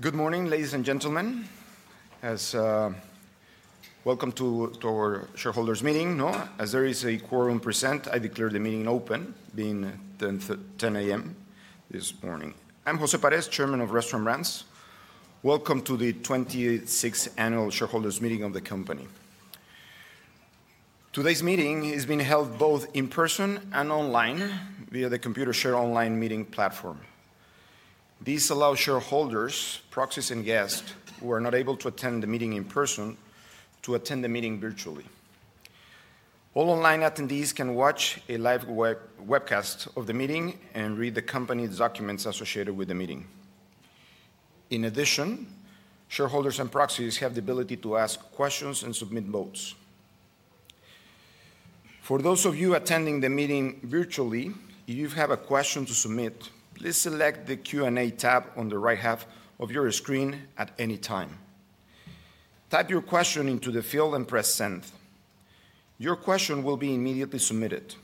Good morning, ladies and gentlemen. Welcome to our shareholders' meeting. As there is a quorum present, I declare the meeting open, being 10:00 A.M. this morning. I'm José Parés, Chairman of Restaurant Brands. Welcome to the 26th Annual Shareholders' Meeting of the company. Today's meeting is being held both in person and online via the Computershare Online Meeting platform. This allows shareholders, proxies, and guests who are not able to attend the meeting in person to attend the meeting virtually. All online attendees can watch a live webcast of the meeting and read the company's documents associated with the meeting. In addition, shareholders and proxies have the ability to ask questions and submit votes. For those of you attending the meeting virtually, if you have a question to submit, please select the Q&A tab on the right half of your screen at any time. Type your question into the field and press Send. Your question will be immediately submitted.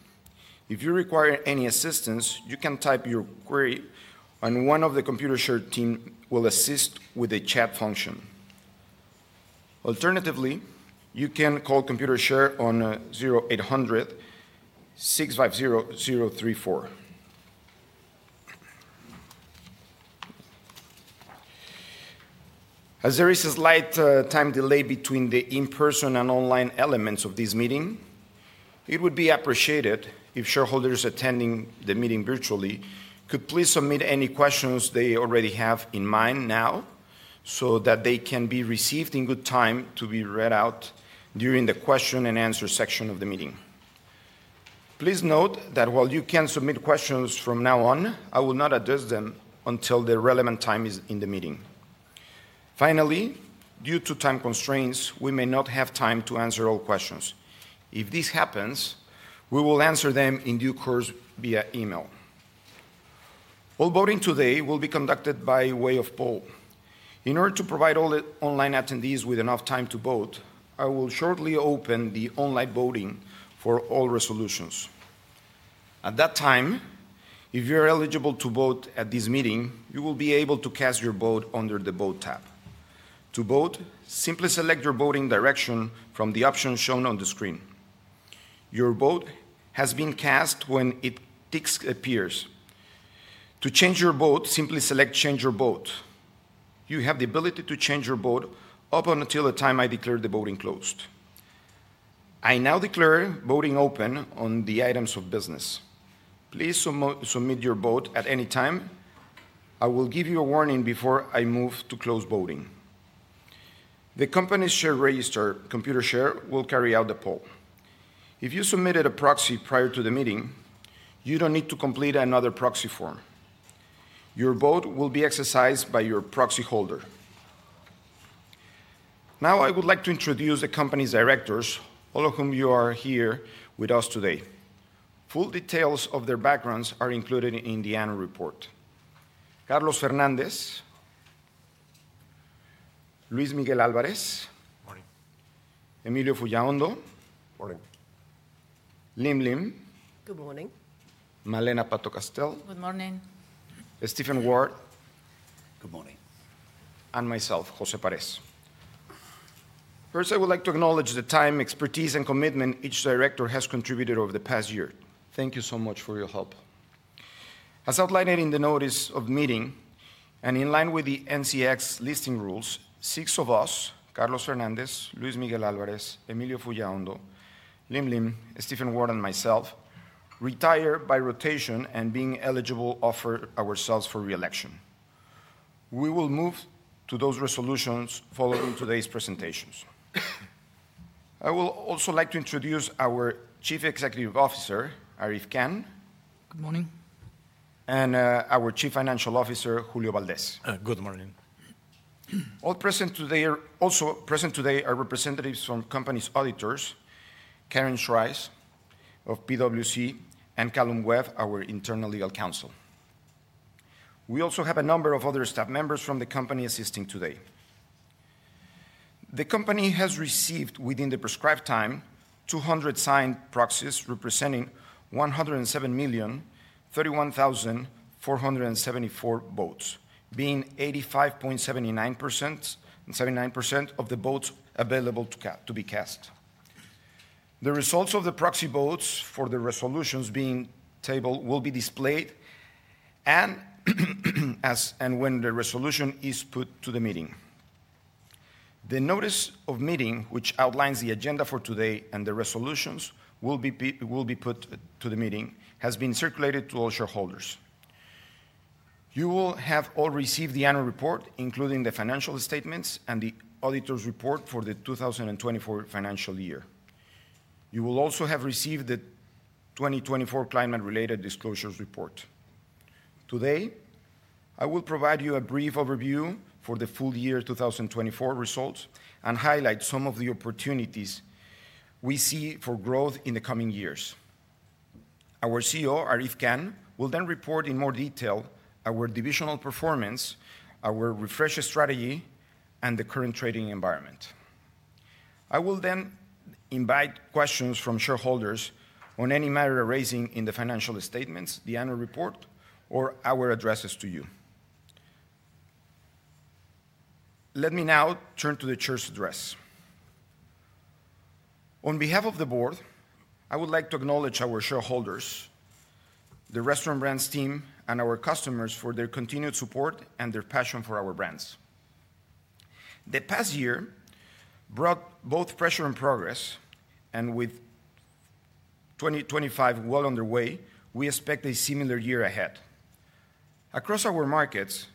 If you require any assistance, you can type your query, and one of the Computershare team will assist with a chat function. Alternatively, you can call Computershare on 0800 650 034. As there is a slight time delay between the in-person and online elements of this meeting, it would be appreciated if shareholders attending the meeting virtually could please submit any questions they already have in mind now so that they can be received in good time to be read out during the question-and-answer section of the meeting. Please note that while you can submit questions from now on, I will not address them until the relevant time in the meeting. Finally, due to time constraints, we may not have time to answer all questions. If this happens, we will answer them in due course via email. All voting today will be conducted by way of poll. In order to provide all online attendees with enough time to vote, I will shortly open the online voting for all resolutions. At that time, if you are eligible to vote at this meeting, you will be able to cast your vote under the Vote tab. To vote, simply select your voting direction from the options shown on the screen. Your vote has been cast when a tick appears. To change your vote, simply select Change Your Vote. You have the ability to change your vote up until the time I declare the voting closed. I now declare voting open on the items of business. Please submit your vote at any time. I will give you a warning before I move to close voting. The company's share register, Computershare, will carry out the poll. If you submitted a proxy prior to the meeting, you don't need to complete another proxy form. Your vote will be exercised by your proxy holder. Now, I would like to introduce the company's directors, all of whom are here with us today. Full details of their backgrounds are included in the annual report. Carlos Fernández. Luis Miguel Álvarez. Good morning. Emilio Fullaondo. Good morning. Lyn Lim. Good morning. Malena Pato-Castell. Good morning. Stephen Ward. Good morning. Myself, José Parés. First, I would like to acknowledge the time, expertise, and commitment each director has contributed over the past year. Thank you so much for your help. As outlined in the notice of meeting, and in line with the NZX listing rules, six of us, Carlos Fernández, Luis Miguel Álvarez, Emilio Fullaondo, Lyn Lim, Stephen Ward, and myself, retired by rotation and being eligible, offer ourselves for reelection. We will move to those resolutions following today's presentations. I would also like to introduce our Chief Executive Officer, Arif Khan. Good morning. Our Chief Financial Officer, Julio Valdés. Good morning. All present today are representatives from the company's auditors, Karen Shires of PwC, and Callum Webb, our internal legal counsel. We also have a number of other staff members from the company assisting today. The company has received, within the prescribed time, 200 signed proxies representing 107,031,474 votes, being 85.79% of the votes available to be cast. The results of the proxy votes for the resolutions being tabled will be displayed when the resolution is put to the meeting. The notice of meeting, which outlines the agenda for today and the resolutions will be put to the meeting, has been circulated to all shareholders. You will have all received the annual report, including the financial statements and the auditor's report for the 2024 financial year. You will also have received the 2024 climate-related disclosures report. Today, I will provide you a brief overview for the full year 2024 results and highlight some of the opportunities we see for growth in the coming years. Our CEO, Arif Khan, will then report in more detail our divisional performance, our refresher strategy, and the current trading environment. I will then invite questions from shareholders on any matter raising in the financial statements, the annual report, or our addresses to you. Let me now turn to the chair's address. On behalf of the board, I would like to acknowledge our shareholders, the Restaurant Brands team, and our customers for their continued support and their passion for our brands. The past year brought both pressure and progress, and with 2025 well underway, we expect a similar year ahead. Across our markets,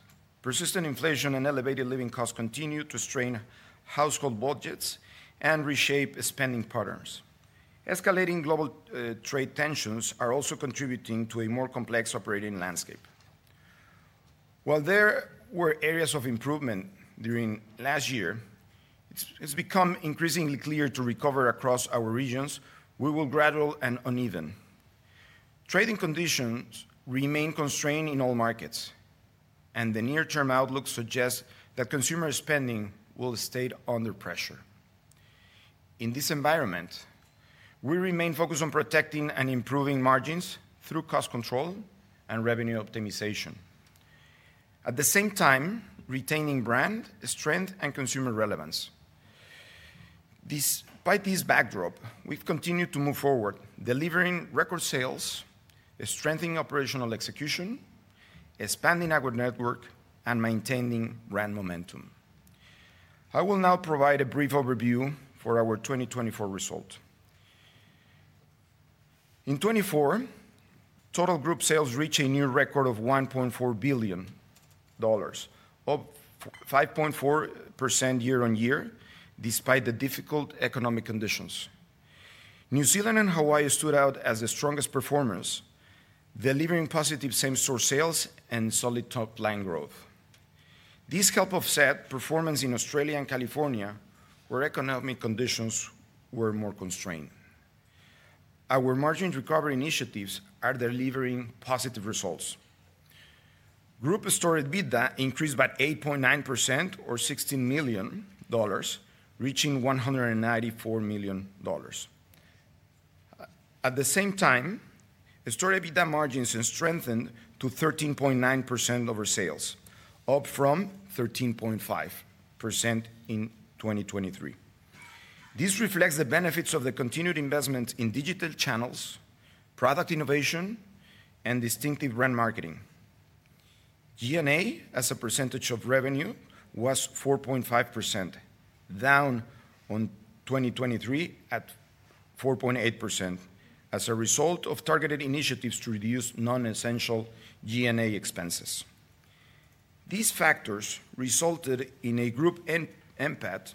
persistent inflation and elevated living costs continue to strain household budgets and reshape spending patterns. Escalating global trade tensions are also contributing to a more complex operating landscape. While there were areas of improvement during last year, it's become increasingly clear to recover across our regions, we will be gradual and uneven. Trading conditions remain constrained in all markets, and the near-term outlook suggests that consumer spending will stay under pressure. In this environment, we remain focused on protecting and improving margins through cost control and revenue optimization, at the same time retaining brand strength and consumer relevance. Despite this backdrop, we've continued to move forward, delivering record sales, strengthening operational execution, expanding our network, and maintaining brand momentum. I will now provide a brief overview for our 2024 result. In 2024, total group sales reached a new record of 1.4 billion dollars, up 5.4% year-on-year, despite the difficult economic conditions. New Zealand and Hawaii stood out as the strongest performers, delivering positive same-store sales and solid top-line growth. This helped offset performance in Australia and California, where economic conditions were more constrained. Our margin recovery initiatives are delivering positive results. Group store EBITDA increased by 8.9%, or 16 million dollars, reaching 194 million dollars. At the same time, store EBITDA margins strengthened to 13.9% over sales, up from 13.5% in 2023. This reflects the benefits of the continued investment in digital channels, product innovation, and distinctive brand marketing. G&A, as a percentage of revenue, was 4.5%, down on 2023 at 4.8%, as a result of targeted initiatives to reduce non-essential G&A expenses. These factors resulted in a group NPAT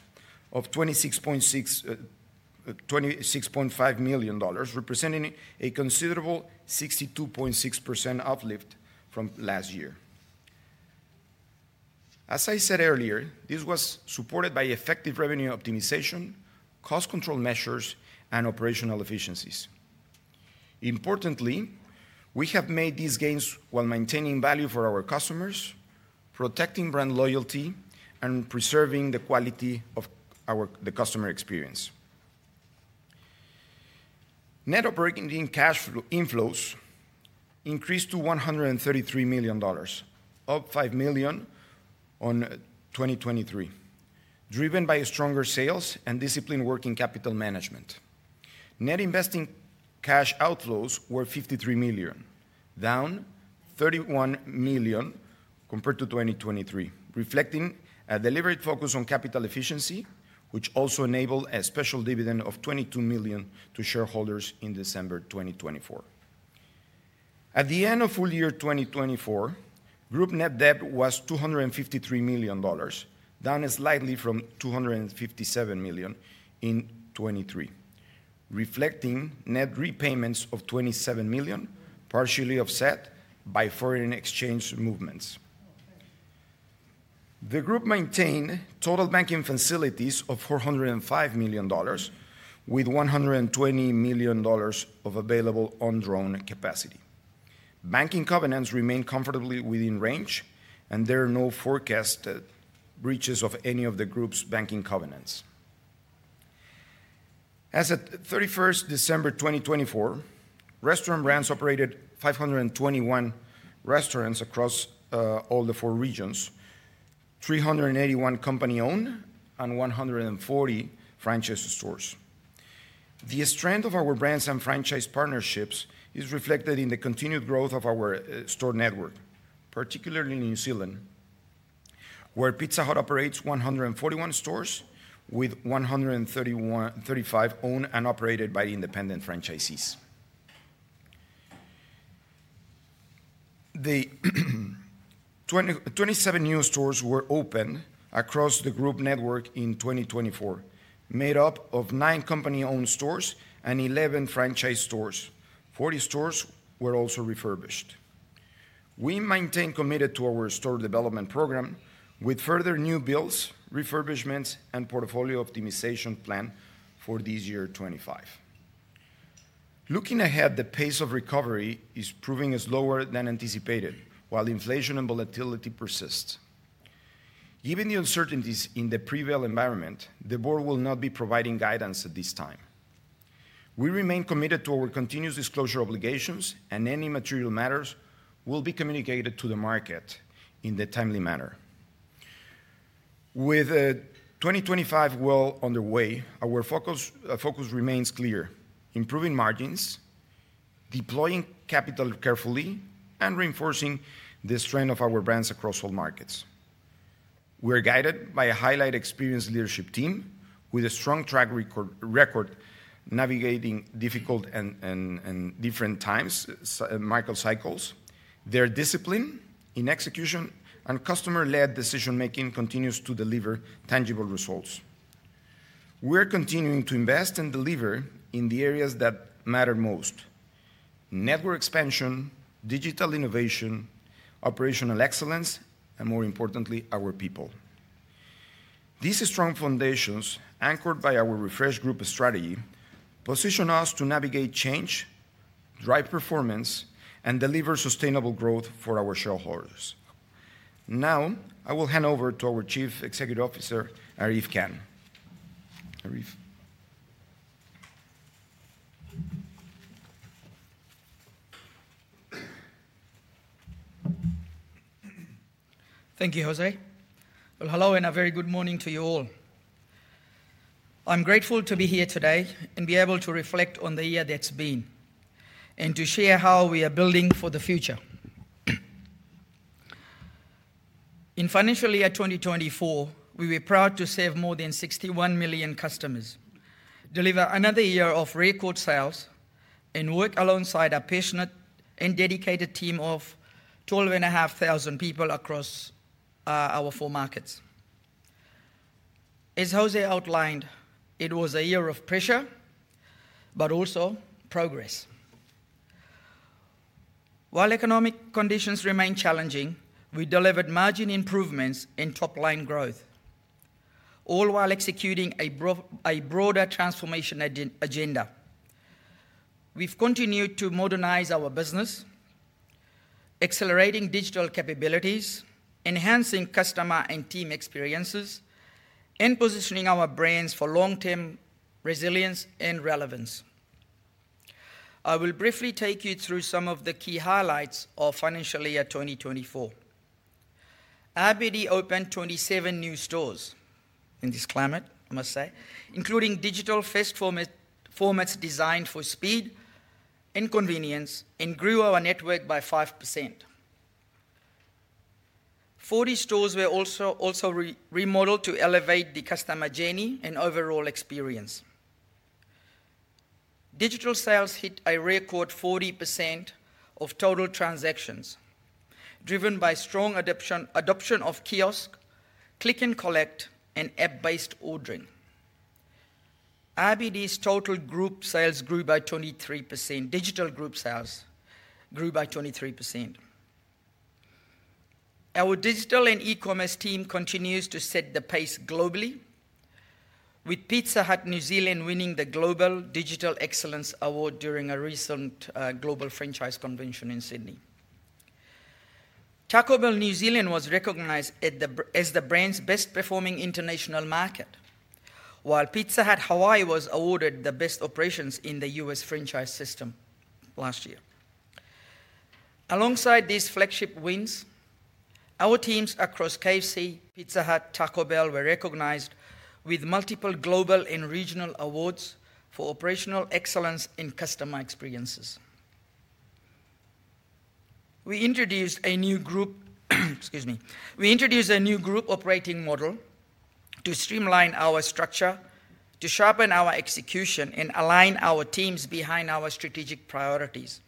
of 26.5 million dollars, representing a considerable 62.6% uplift from last year. As I said earlier, this was supported by effective revenue optimization, cost control measures, and operational efficiencies. Importantly, we have made these gains while maintaining value for our customers, protecting brand loyalty, and preserving the quality of the customer experience. Net operating cash inflows increased to 133 million dollars, up 5 million in 2023, driven by stronger sales and disciplined working capital management. Net investing cash outflows were 53 million, down 31 million compared to 2023, reflecting a deliberate focus on capital efficiency, which also enabled a special dividend of 22 million to shareholders in December 2024. At the end of full year 2024, group net debt was 253 million dollars, down slightly from 257 million in 2023, reflecting net repayments of 27 million, partially offset by foreign exchange movements. The group maintained total banking facilities of 405 million dollars, with 120 million dollars of available on-drawn capacity. Banking covenants remain comfortably within range, and there are no forecast breaches of any of the group's banking covenants. As of 31st December 2024, Restaurant Brands operated 521 restaurants across all the four regions, 381 company-owned and 140 franchise stores. The strength of our brands and franchise partnerships is reflected in the continued growth of our store network, particularly in New Zealand, where Pizza Hut operates 141 stores with 135 owned and operated by independent franchisees. The 27 new stores were opened across the group network in 2024, made up of 9 company-owned stores and 11 franchise stores. 40 stores were also refurbished. We maintain committed to our store development program, with further new builds, refurbishments, and portfolio optimization planned for this year 2025. Looking ahead, the pace of recovery is proving slower than anticipated, while inflation and volatility persist. Given the uncertainties in the prevailing environment, the board will not be providing guidance at this time. We remain committed to our continuous disclosure obligations, and any material matters will be communicated to the market in a timely manner. With 2025 well underway, our focus remains clear: improving margins, deploying capital carefully, and reinforcing the strength of our brands across all markets. We are guided by a highly experienced leadership team, with a strong track record navigating difficult and different times, market cycles. Their discipline in execution and customer-led decision-making continues to deliver tangible results. We are continuing to invest and deliver in the areas that matter most: network expansion, digital innovation, operational excellence, and, more importantly, our people. These strong foundations, anchored by our refreshed group strategy, position us to navigate change, drive performance, and deliver sustainable growth for our shareholders. Now, I will hand over to our Chief Executive Officer, Arif Khan. Arif. Thank you, José. Hello and a very good morning to you all. I'm grateful to be here today and be able to reflect on the year that's been and to share how we are building for the future. In financial year 2024, we were proud to serve more than 61 million customers, deliver another year of record sales, and work alongside a passionate and dedicated team of 12,500 people across our four markets. As José outlined, it was a year of pressure, but also progress. While economic conditions remain challenging, we delivered margin improvements and top-line growth, all while executing a broader transformation agenda. We've continued to modernize our business, accelerating digital capabilities, enhancing customer and team experiences, and positioning our brands for long-term resilience and relevance. I will briefly take you through some of the key highlights of financial year 2024. Our BD opened 27 new stores in this climate, I must say, including digital-first formats designed for speed and convenience, and grew our network by 5%. 40 stores were also remodeled to elevate the customer journey and overall experience. Digital sales hit a record 40% of total transactions, driven by strong adoption of kiosk, click-and-collect, and app-based ordering. Our BD's total group sales grew by 23%. Digital group sales grew by 23%. Our digital and e-commerce team continues to set the pace globally, with Pizza Hut New Zealand winning the Global Digital Excellence Award during a recent global franchise convention in Sydney. Taco Bell New Zealand was recognized as the brand's best-performing international market, while Pizza Hut Hawaii was awarded the best operations in the U.S. franchise system last year. Alongside these flagship wins, our teams across KFC, Pizza Hut, and Taco Bell were recognized with multiple global and regional awards for operational excellence and customer experiences. We introduced a new group—excuse me—we introduced a new group operating model to streamline our structure, to sharpen our execution, and align our teams behind our strategic priorities.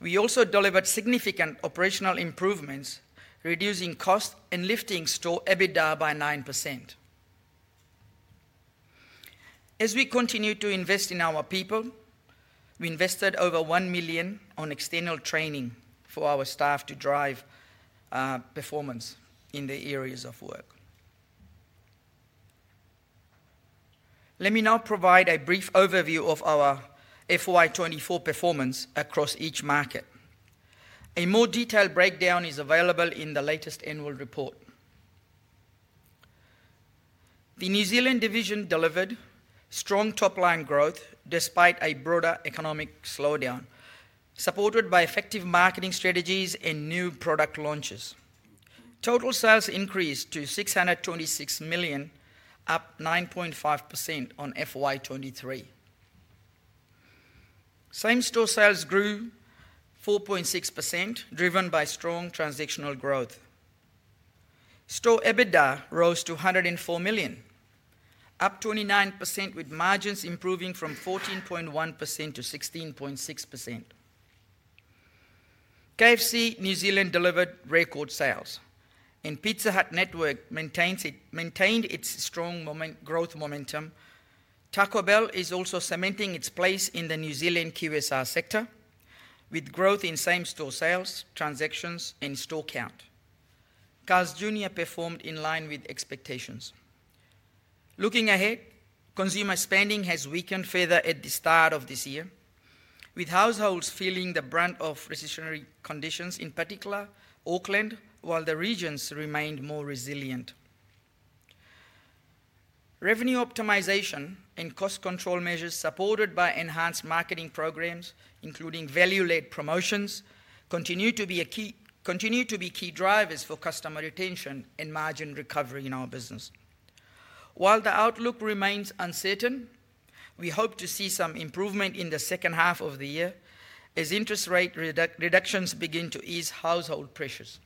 We also delivered significant operational improvements, reducing costs and lifting store EBITDA by 9%. As we continue to invest in our people, we invested over 1 million in external training for our staff to drive performance in their areas of work. Let me now provide a brief overview of our FY2024 performance across each market. A more detailed breakdown is available in the latest annual report. The New Zealand division delivered strong top-line growth despite a broader economic slowdown, supported by effective marketing strategies and new product launches. Total sales increased to 626 million, up 9.5% on FY2023. Same-store sales grew 4.6%, driven by strong transactional growth. Store EBITDA rose to 104 million, up 29%, with margins improving from 14.1% to 16.6%. KFC New Zealand delivered record sales, and Pizza Hut network maintained its strong growth momentum. Taco Bell is also cementing its place in the New Zealand QSR sector, with growth in same-store sales, transactions, and store count. Carl's Jr. performed in line with expectations. Looking ahead, consumer spending has weakened further at the start of this year, with households feeling the brunt of recessionary conditions, in particular Auckland, while the regions remained more resilient. Revenue optimization and cost control measures, supported by enhanced marketing programs, including value-led promotions, continue to be key drivers for customer retention and margin recovery in our business. While the outlook remains uncertain, we hope to see some improvement in the second half of the year as interest rate reductions begin to ease household pressures.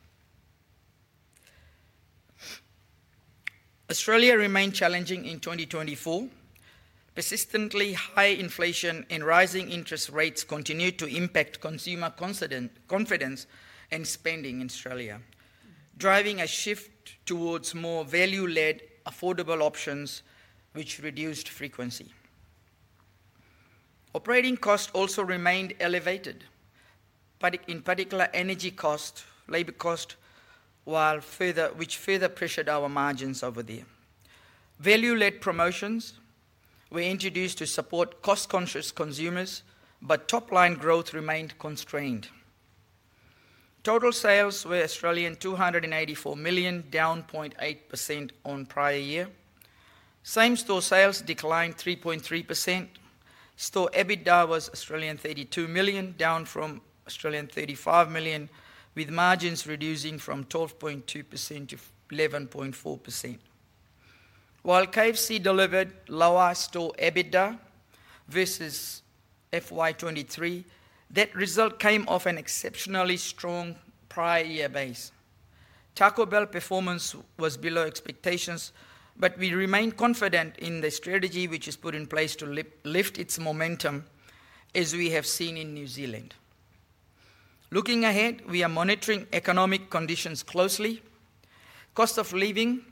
Australia remained challenging in 2024. Persistently high inflation and rising interest rates continue to impact consumer confidence and spending in Australia, driving a shift towards more value-led, affordable options, which reduced frequency. Operating costs also remained elevated, in particular energy costs, labor costs, which further pressured our margins over the year. Value-led promotions were introduced to support cost-conscious consumers, but top-line growth remained constrained. Total sales were 284 million, down 0.8% on prior year. Same-store sales declined 3.3%. Store EBITDA was 32 million, down from 35 million, with margins reducing from 12.2% to 11.4%. While KFC delivered lower store EBITDA versus FY23, that result came off an exceptionally strong prior year base. Taco Bell's performance was below expectations, but we remain confident in the strategy which is put in place to lift its momentum, as we have seen in New Zealand. Looking ahead, we are monitoring economic conditions closely. Cost of living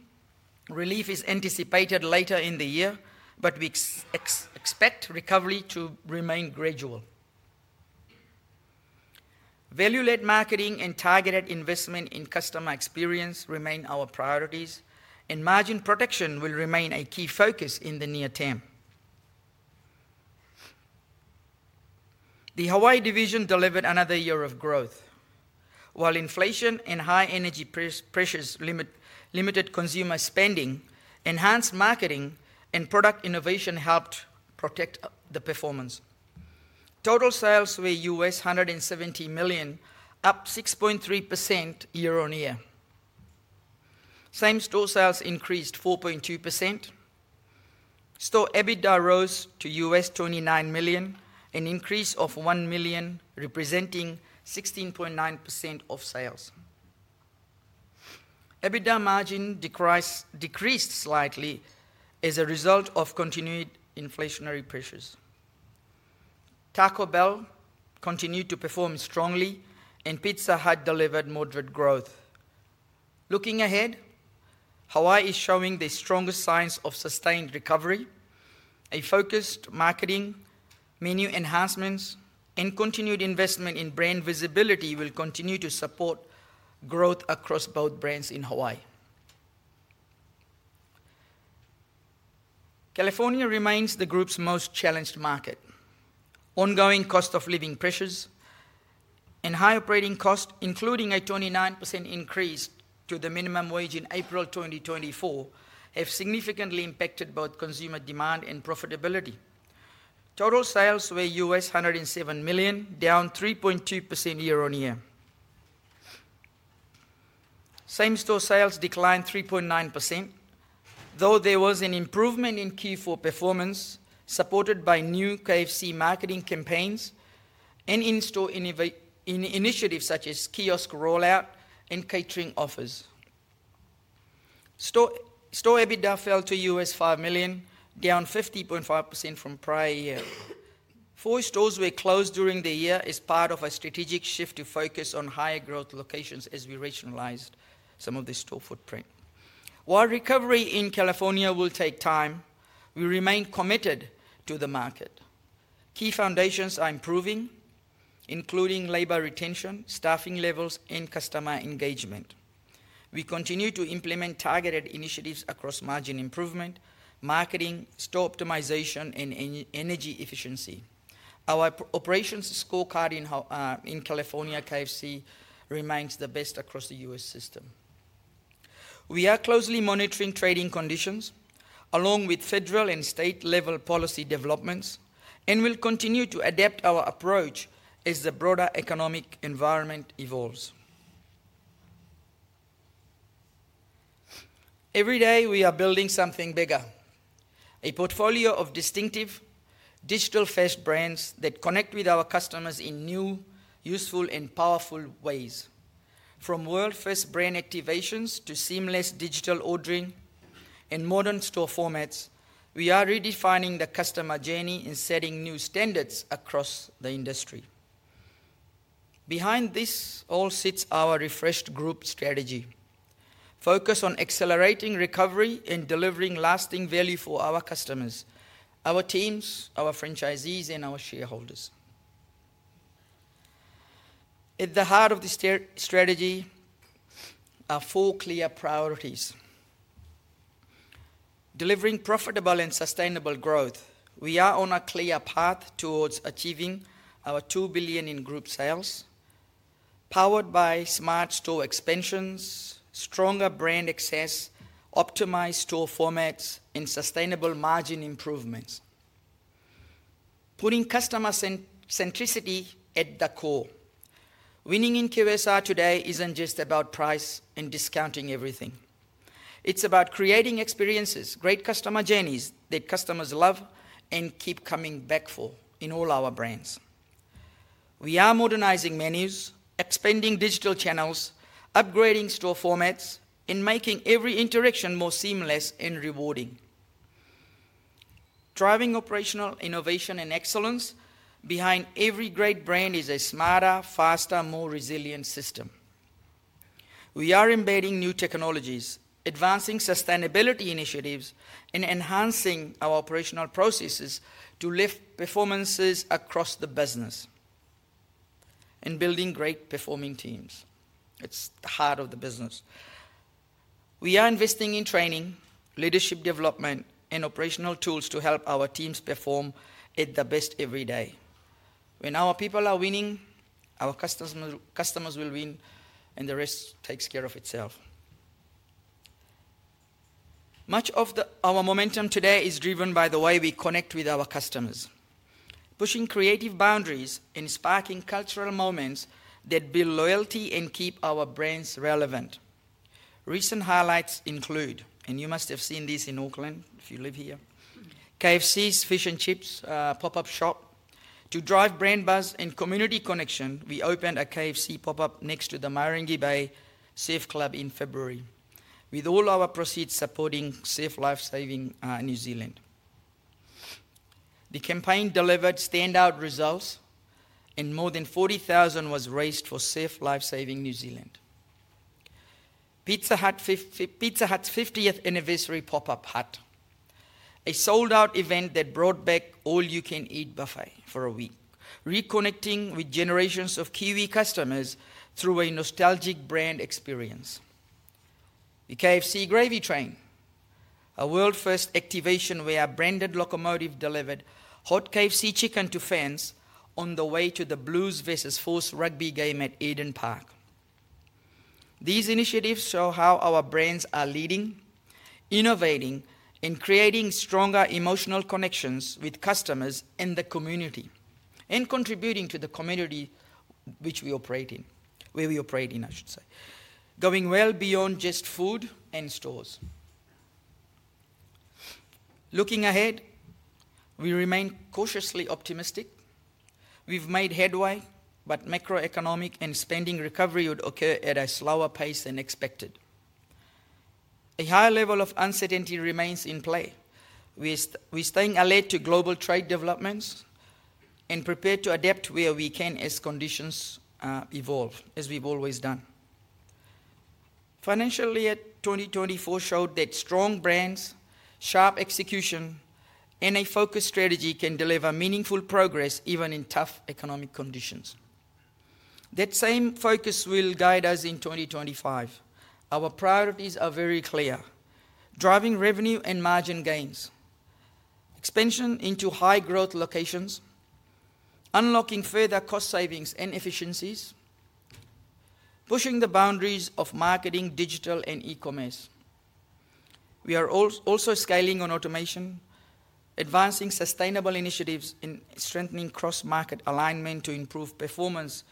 relief is anticipated later in the year, but we expect recovery to remain gradual. Value-led marketing and targeted investment in customer experience remain our priorities, and margin protection will remain a key focus in the near term. The Hawaii division delivered another year of growth. While inflation and high energy pressures limited consumer spending, enhanced marketing and product innovation helped protect the performance. Total sales were $170 million, up 6.3% year on year. Same-store sales increased 4.2%. Store EBITDA rose to $29 million, an increase of $1 million, representing 16.9% of sales. EBITDA margin decreased slightly as a result of continued inflationary pressures. Taco Bell continued to perform strongly, and Pizza Hut delivered moderate growth. Looking ahead, Hawaii is showing the strongest signs of sustained recovery. A focused marketing, menu enhancements, and continued investment in brand visibility will continue to support growth across both brands in Hawaii. California remains the group's most challenged market. Ongoing cost of living pressures and high operating costs, including a 29% increase to the minimum wage in April 2024, have significantly impacted both consumer demand and profitability. Total sales were $107 million, down 3.2% year on year. Same-store sales declined 3.9%, though there was an improvement in Q4 performance, supported by new KFC marketing campaigns and in-store initiatives such as kiosk rollout and catering offers. Store EBITDA fell to $5 million, down 50.5% from prior year. Four stores were closed during the year as part of a strategic shift to focus on higher growth locations as we regionalized some of the store footprint. While recovery in California will take time, we remain committed to the market. Key foundations are improving, including labor retention, staffing levels, and customer engagement. We continue to implement targeted initiatives across margin improvement, marketing, store optimization, and energy efficiency. Our operations scorecard in California, KFC, remains the best across the U.S. system. We are closely monitoring trading conditions, along with federal and state-level policy developments, and will continue to adapt our approach as the broader economic environment evolves. Every day, we are building something bigger: a portfolio of distinctive digital-first brands that connect with our customers in new, useful, and powerful ways. From world-first brand activations to seamless digital ordering and modern store formats, we are redefining the customer journey and setting new standards across the industry. Behind this all sits our refreshed group strategy: focus on accelerating recovery and delivering lasting value for our customers, our teams, our franchisees, and our shareholders. At the heart of this strategy are four clear priorities. Delivering profitable and sustainable growth, we are on a clear path towards achieving our 2 billion in group sales, powered by smart store expansions, stronger brand access, optimized store formats, and sustainable margin improvements, putting customer centricity at the core. Winning in QSR today isn't just about price and discounting everything. It's about creating experiences, great customer journeys that customers love and keep coming back for in all our brands. We are modernizing menus, expanding digital channels, upgrading store formats, and making every interaction more seamless and rewarding. Driving operational innovation and excellence, behind every great brand is a smarter, faster, more resilient system. We are embedding new technologies, advancing sustainability initiatives, and enhancing our operational processes to lift performances across the business and building great performing teams. It is the heart of the business. We are investing in training, leadership development, and operational tools to help our teams perform at the best every day. When our people are winning, our customers will win, and the rest takes care of itself. Much of our momentum today is driven by the way we connect with our customers, pushing creative boundaries and sparking cultural moments that build loyalty and keep our brands relevant. Recent highlights include, and you must have seen this in Auckland if you live here, KFC's fish and chips pop-up shop. To drive brand buzz and community connection, we opened a KFC pop-up next to the Mairangi Bay Surf Club in February, with all our proceeds supporting Surf Life Saving New Zealand. The campaign delivered standout results, and more than 40,000 was raised for Surf Life Saving New Zealand. Pizza Hut's 50th anniversary pop-up hut, a sold-out event that brought back All You Can Eat Buffet for a week, reconnecting with generations of Kiwi customers through a nostalgic brand experience. The KFC Gravy Train, a world-first activation where a branded locomotive delivered hot KFC chicken to fans on the way to the Blues vs. Force rugby game at Eden Park. These initiatives show how our brands are leading, innovating, and creating stronger emotional connections with customers and the community, and contributing to the community which we operate in, where we operate in, I should say, going well beyond just food and stores. Looking ahead, we remain cautiously optimistic. We've made headway, but macroeconomic and spending recovery would occur at a slower pace than expected. A higher level of uncertainty remains in play. We're staying alert to global trade developments and prepared to adapt where we can as conditions evolve, as we've always done. Financial year 2024 showed that strong brands, sharp execution, and a focused strategy can deliver meaningful progress even in tough economic conditions. That same focus will guide us in 2025. Our priorities are very clear: driving revenue and margin gains, expansion into high-growth locations, unlocking further cost savings and efficiencies, pushing the boundaries of marketing, digital, and e-commerce. We are also scaling on automation, advancing sustainable initiatives, and strengthening cross-market alignment to improve performance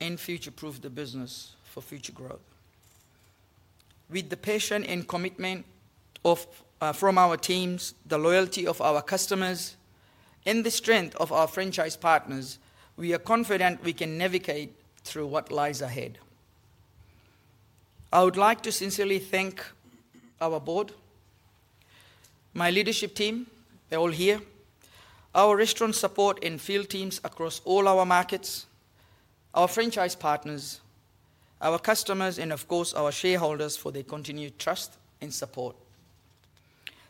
and future-proof the business for future growth. With the passion and commitment from our teams, the loyalty of our customers, and the strength of our franchise partners, we are confident we can navigate through what lies ahead. I would like to sincerely thank our board, my leadership team, they're all here, our restaurant support and field teams across all our markets, our franchise partners, our customers, and of course, our shareholders for their continued trust and support.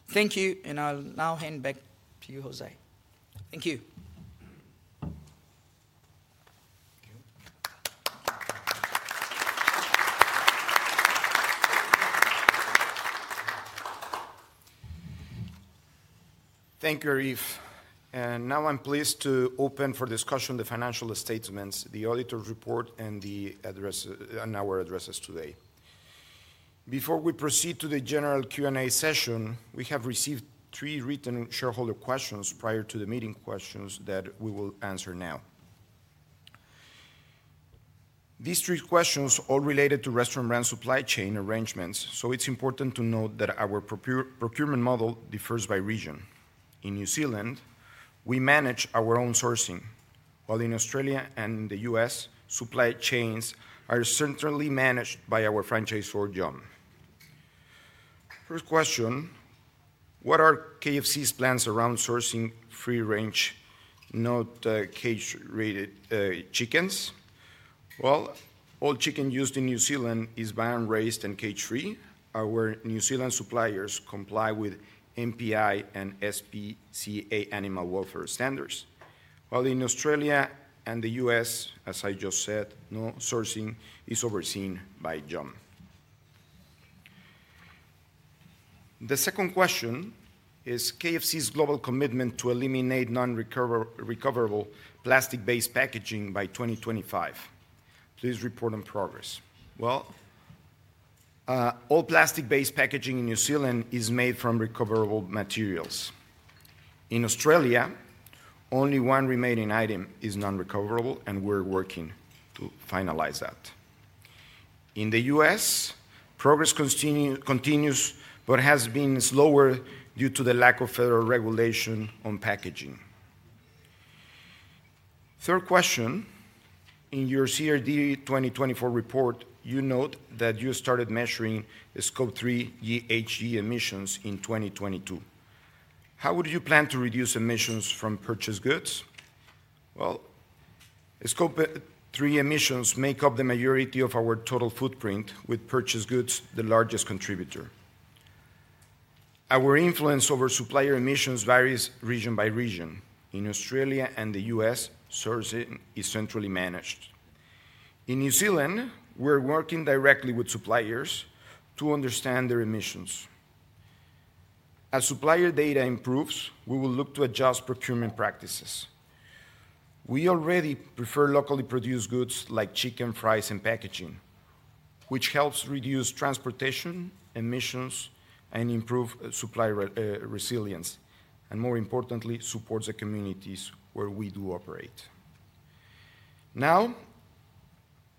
Thank you, and I'll now hand back to you, José. Thank you. Thank you, Arif. I am pleased to open for discussion the financial statements, the auditor's report, and our addresses today. Before we proceed to the general Q&A session, we have received three written shareholder questions prior to the meeting, questions that we will answer now. These three questions are all related to Restaurant Brands' supply chain arrangements, so it is important to note that our procurement model differs by region. In New Zealand, we manage our own sourcing, while in Australia and the U.S., supply chains are centrally managed by our franchisor Yum! First question: What are KFC's plans around sourcing free-range, not cage-raised chickens? All chicken used in New Zealand is barn-raised and cage-free. Our New Zealand suppliers comply with MPI and SPCA animal welfare standards, while in Australia and the U.S., as I just said, sourcing is overseen by Yum! The second question is KFC's global commitment to eliminate non-recoverable plastic-based packaging by 2025. Please report on progress. All plastic-based packaging in New Zealand is made from recoverable materials. In Australia, only one remaining item is non-recoverable, and we're working to finalize that. In the U.S., progress continues but has been slower due to the lack of federal regulation on packaging. Third question: In your CRD 2024 report, you note that you started measuring Scope 3 GHG emissions in 2022. How would you plan to reduce emissions from purchased goods? Scope 3 emissions make up the majority of our total footprint, with purchased goods the largest contributor. Our influence over supplier emissions varies region by region. In Australia and the U.S., sourcing is centrally managed. In New Zealand, we're working directly with suppliers to understand their emissions. As supplier data improves, we will look to adjust procurement practices. We already prefer locally produced goods like chicken, fries, and packaging, which helps reduce transportation emissions and improves supply resilience, and more importantly, supports the communities where we do operate. Now,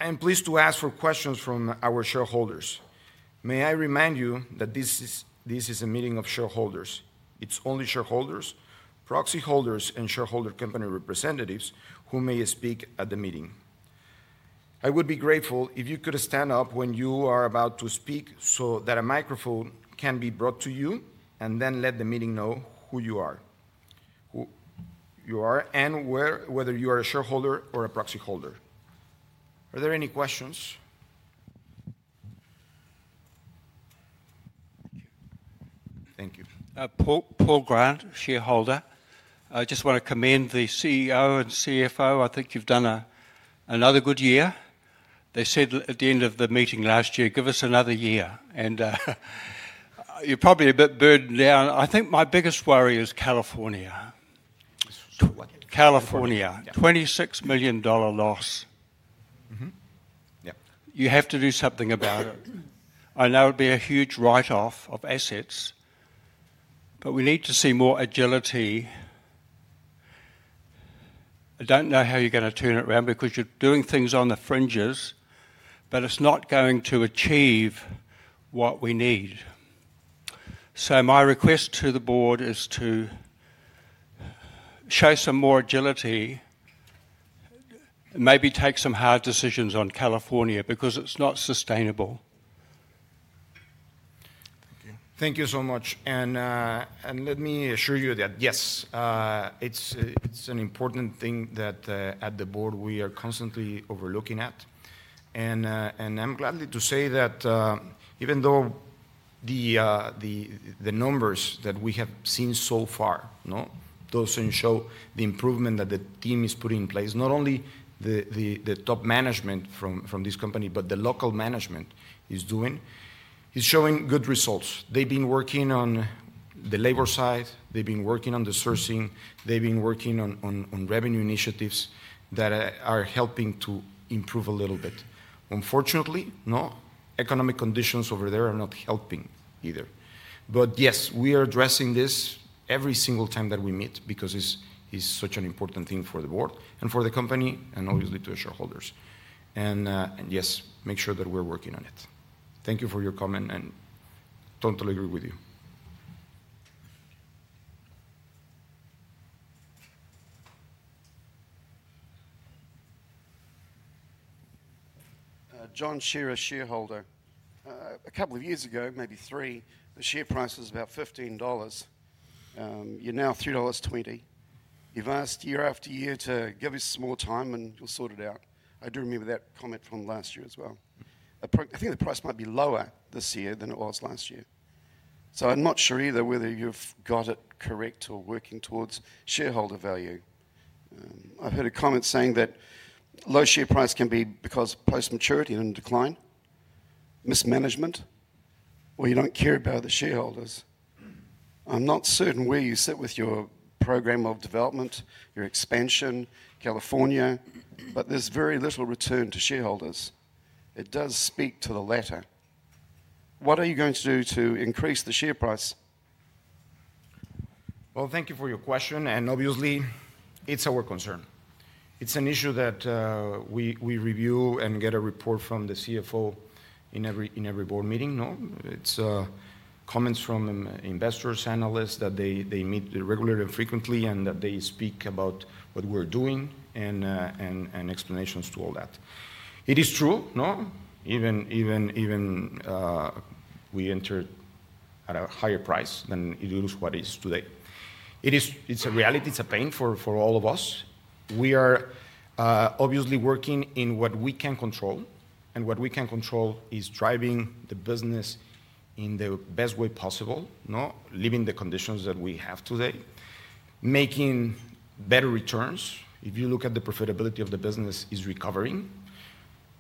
I'm pleased to ask for questions from our shareholders. May I remind you that this is a meeting of shareholders. It's only shareholders, proxy holders, and shareholder company representatives who may speak at the meeting. I would be grateful if you could stand up when you are about to speak so that a microphone can be brought to you and then let the meeting know who you are and whether you are a shareholder or a proxy holder. Are there any questions? Thank you. Paul Grant, shareholder. I just want to commend the CEO and CFO. I think you've done another good year. They said at the end of the meeting last year, "Give us another year." You are probably a bit burdened now. I think my biggest worry is California. California, NZD 26 million loss. You have to do something about it. I know it will be a huge write-off of assets, but we need to see more agility. I do not know how you are going to turn it around because you are doing things on the fringes, but it is not going to achieve what we need. My request to the board is to show some more agility, maybe take some hard decisions on California because it is not sustainable. Thank you. Thank you so much. Let me assure you that, yes, it is an important thing that at the board we are constantly overlooking at. I'm glad to say that even though the numbers that we have seen so far do not show the improvement that the team is putting in place, not only the top management from this company, but the local management is doing, is showing good results. They've been working on the labor side. They've been working on the sourcing. They've been working on revenue initiatives that are helping to improve a little bit. Unfortunately, economic conditions over there are not helping either. Yes, we are addressing this every single time that we meet because it's such an important thing for the board and for the company and obviously to the shareholders. Yes, make sure that we're working on it. Thank you for your comment, and totally agree with you. John Shearer, shareholder. A couple of years ago, maybe three, the share price was about 15 dollars. You're now 3.20 dollars. You've asked year after year to give us some more time, and you'll sort it out. I do remember that comment from last year as well. I think the price might be lower this year than it was last year. I am not sure either whether you've got it correct or working towards shareholder value. I've heard a comment saying that low share price can be because of post-maturity and decline, mismanagement, or you do not care about the shareholders. I am not certain where you sit with your program of development, your expansion, California, but there's very little return to shareholders. It does speak to the latter. What are you going to do to increase the share price? Thank you for your question. Obviously, it's our concern. It's an issue that we review and get a report from the CFO in every board meeting. It's comments from investors, analysts that they meet regularly and frequently and that they speak about what we're doing and explanations to all that. It is true. Even we entered at a higher price than it is what it is today. It's a reality. It's a pain for all of us. We are obviously working in what we can control, and what we can control is driving the business in the best way possible, leaving the conditions that we have today, making better returns. If you look at the profitability of the business, it's recovering.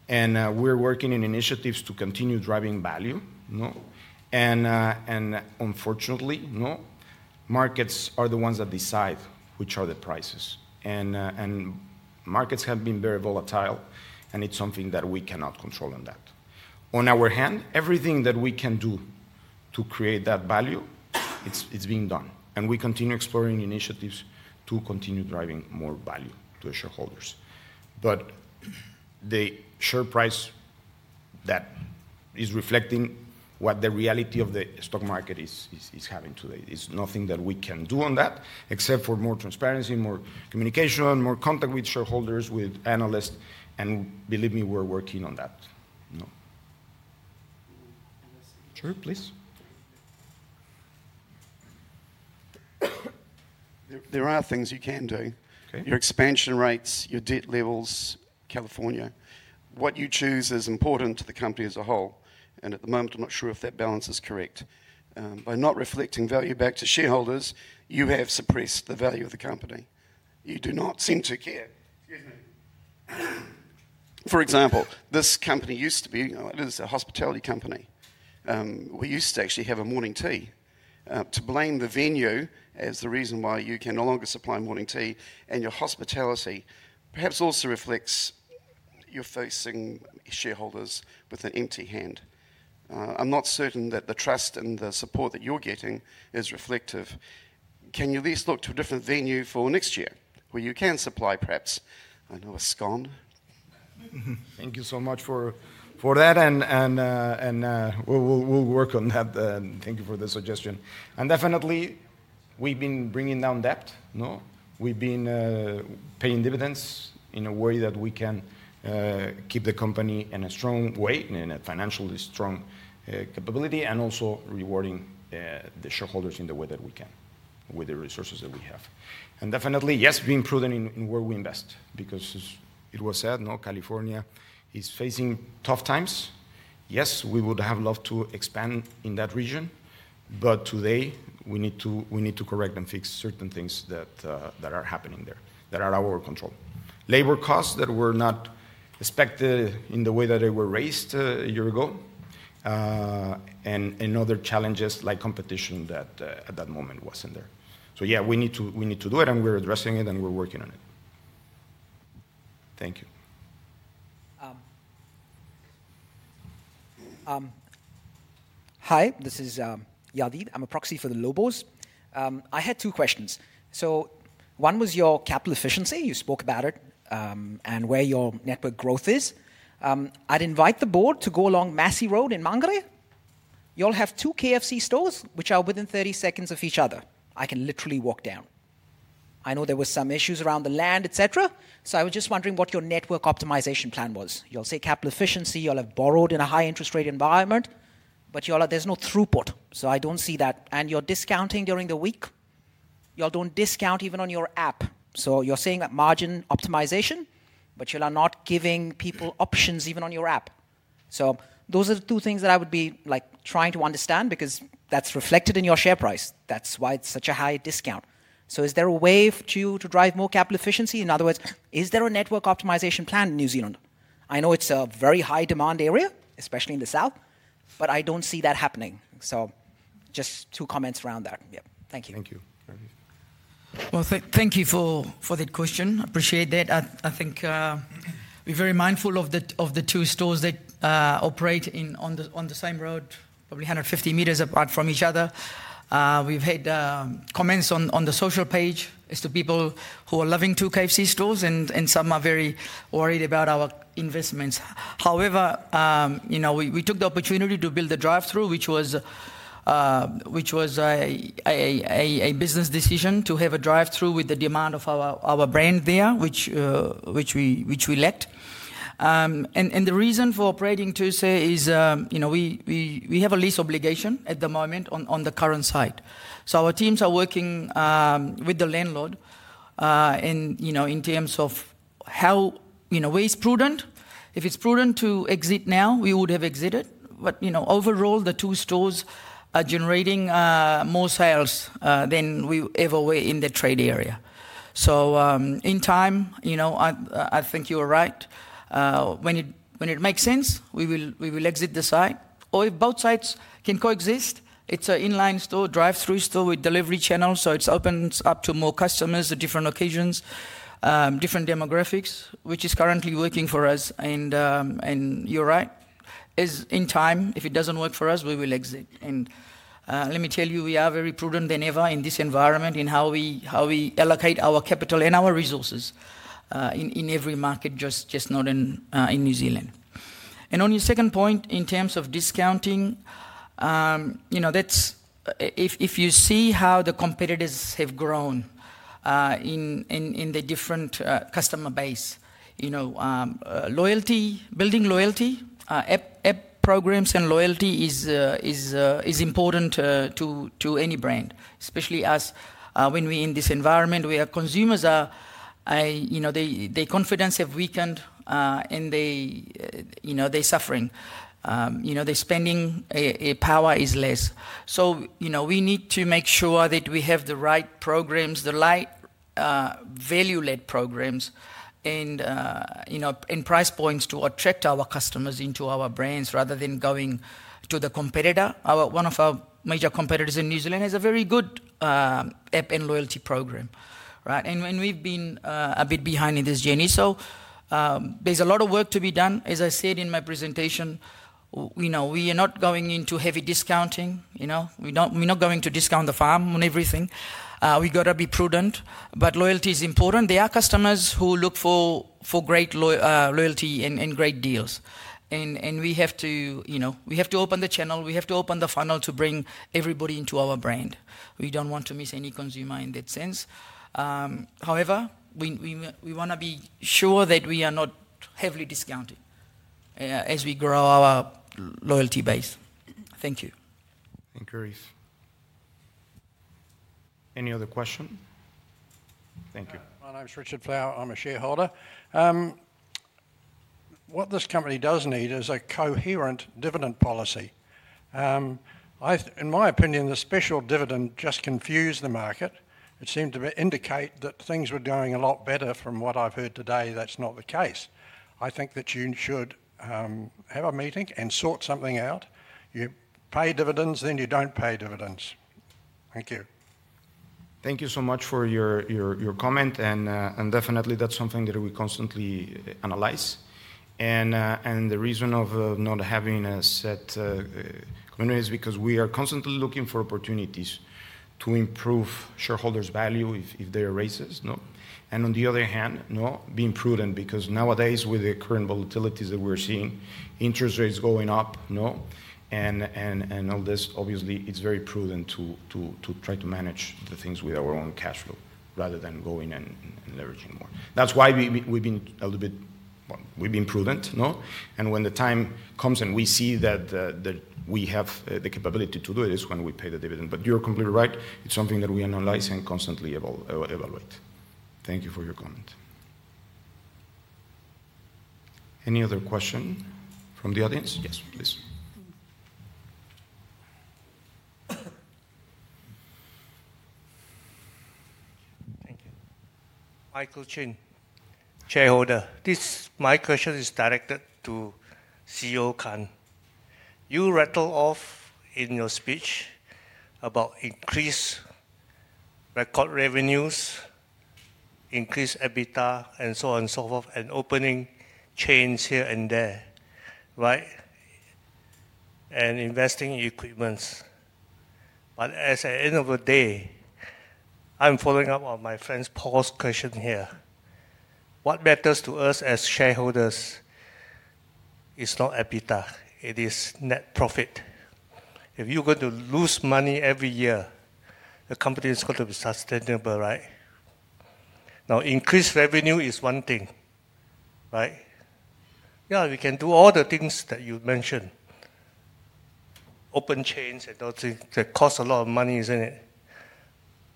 We are working in initiatives to continue driving value. Unfortunately, markets are the ones that decide which are the prices. Markets have been very volatile, and it's something that we cannot control on that. On our hand, everything that we can do to create that value, it's being done. We continue exploring initiatives to continue driving more value to shareholders. The share price that is reflecting what the reality of the stock market is having today is nothing that we can do on that, except for more transparency, more communication, more contact with shareholders, with analysts. Believe me, we're working on that. Sure, please. There are things you can do. Your expansion rates, your debt levels, California, what you choose is important to the company as a whole. At the moment, I'm not sure if that balance is correct. By not reflecting value back to shareholders, you have suppressed the value of the company. You do not seem to care. Excuse me. For example, this company used to be a hospitality company. We used to actually have a morning tea. To blame the venue as the reason why you can no longer supply morning tea and your hospitality perhaps also reflects you're facing shareholders with an empty hand. I'm not certain that the trust and the support that you're getting is reflective. Can you at least look to a different venue for next year where you can supply perhaps? I know a scone. Thank you so much for that. Thank you for the suggestion. We will work on that. Definitely, we've been bringing down debt. We've been paying dividends in a way that we can keep the company in a strong way, in a financially strong capability, and also rewarding the shareholders in the way that we can with the resources that we have. Definitely, yes, being prudent in where we invest because it was said California is facing tough times. Yes, we would have loved to expand in that region, but today we need to correct and fix certain things that are happening there that are out of our control. Labor costs that were not expected in the way that they were raised a year ago and other challenges like competition that at that moment was not there. Yeah, we need to do it, and we're addressing it, and we're working on it. Thank you. Hi, this is Yazid. I'm a proxy for the Lobos. I had two questions. One was your capital efficiency. You spoke about it and where your network growth is. I'd invite the board to go along Massey Road in Māngere. You all have two KFC stores which are within 30 seconds of each other. I can literally walk down. I know there were some issues around the land, etc. I was just wondering what your network optimization plan was. You'll say capital efficiency. You'll have borrowed in a high-interest rate environment, but there's no throughput. I don't see that. You're discounting during the week. You all don't discount even on your app. You're saying that margin optimization, but you're not giving people options even on your app. Those are the two things that I would be trying to understand because that's reflected in your share price. That's why it's such a high discount. Is there a way to drive more capital efficiency? In other words, is there a network optimization plan in New Zealand? I know it's a very high-demand area, especially in the south, but I don't see that happening. Just two comments around that. Thank you. Thank you. Thank you for that question. Appreciate that. I think we're very mindful of the two stores that operate on the same road, probably 150 meters apart from each other. We've had comments on the social page as to people who are loving two KFC stores, and some are very worried about our investments. However, we took the opportunity to build a drive-through, which was a business decision to have a drive-through with the demand of our brand there, which we let. The reason for operating two is we have a lease obligation at the moment on the current site. Our teams are working with the landlord in terms of how, where it's prudent. If it's prudent to exit now, we would have exited. Overall, the two stores are generating more sales than we ever were in the trade area. In time, I think you are right. When it makes sense, we will exit the site. If both sites can coexist, it's an inline store, drive-through store with delivery channels. It opens up to more customers at different occasions, different demographics, which is currently working for us. You're right. In time, if it doesn't work for us, we will exit. Let me tell you, we are more prudent than ever in this environment in how we allocate our capital and our resources in every market, not just in New Zealand. On your second point, in terms of discounting, if you see how the competitors have grown in the different customer base, building loyalty, app programs, and loyalty is important to any brand, especially when we're in this environment where consumers, their confidence has weakened and they're suffering. Their spending power is less. We need to make sure that we have the right programs, the right value-led programs and price points to attract our customers into our brands rather than going to the competitor. One of our major competitors in New Zealand has a very good app and loyalty program. We've been a bit behind in this journey. There is a lot of work to be done. As I said in my presentation, we are not going into heavy discounting. We're not going to discount the farm on everything. We've got to be prudent, but loyalty is important. There are customers who look for great loyalty and great deals. We have to open the channel. We have to open the funnel to bring everybody into our brand. We do not want to miss any consumer in that sense. However, we want to be sure that we are not heavily discounting as we grow our loyalty base. Thank you. Thank you, Arif. Any other question? Thank you. My name's Richard Flower. I'm a shareholder. What this company does need is a coherent dividend policy. In my opinion, the special dividend just confused the market. It seemed to indicate that things were going a lot better. From what I've heard today, that's not the case. I think that you should have a meeting and sort something out. You pay dividends, then you don't pay dividends. Thank you. Thank you so much for your comment. That is something that we constantly analyze. The reason for not having a set committee is because we are constantly looking for opportunities to improve shareholders' value if there are raises. On the other hand, being prudent because nowadays, with the current volatilities that we're seeing, interest rates going up, and all this, obviously, it's very prudent to try to manage the things with our own cash flow rather than going and leveraging more. That's why we've been a little bit prudent. When the time comes and we see that we have the capability to do it, it's when we pay the dividend. You're completely right. It's something that we analyze and constantly evaluate. Thank you for your comment. Any other question from the audience? Yes, please. Thank you. Michael Chin, shareholder. My question is directed to CEO Khan. You rattled off in your speech about increased record revenues, increased EBITDA, and so on and so forth, and opening chains here and there, right, and investing in equipment. At the end of the day, I'm following up on my friend's paused question here. What matters to us as shareholders is not EBITDA. It is net profit. If you're going to lose money every year, the company is going to be sustainable, right? Now, increased revenue is one thing, right? Yeah, we can do all the things that you mentioned, open chains and all those things. That costs a lot of money, isn't it?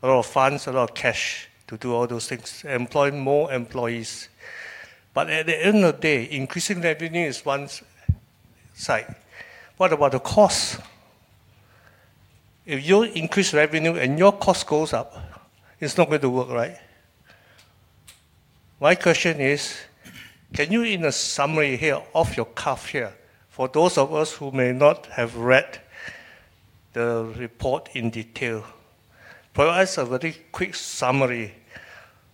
A lot of funds, a lot of cash to do all those things, employ more employees. At the end of the day, increasing revenue is one side. What about the cost? If you increase revenue and your cost goes up, it's not going to work, right? My question is, can you in a summary here of your curve here for those of us who may not have read the report in detail? Provide us a very quick summary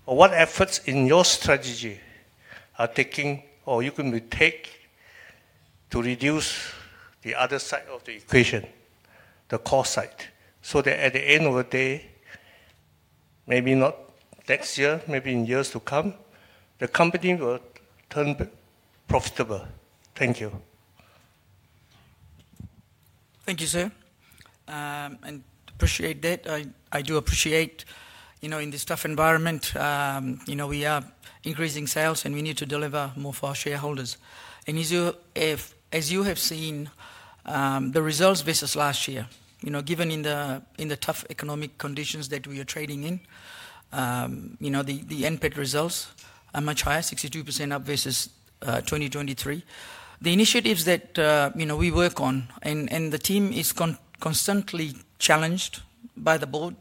of what efforts in your strategy are taking or you can take to reduce the other side of the equation, the cost side, so that at the end of the day, maybe not next year, maybe in years to come, the company will turn profitable. Thank you. Thank you, sir. I appreciate that. I do appreciate in this tough environment, we are increasing sales and we need to deliver more for our shareholders. As you have seen, the results versus last year, given in the tough economic conditions that we are trading in, the NPAT results are much higher, 62% up versus 2023. The initiatives that we work on and the team is constantly challenged by the board,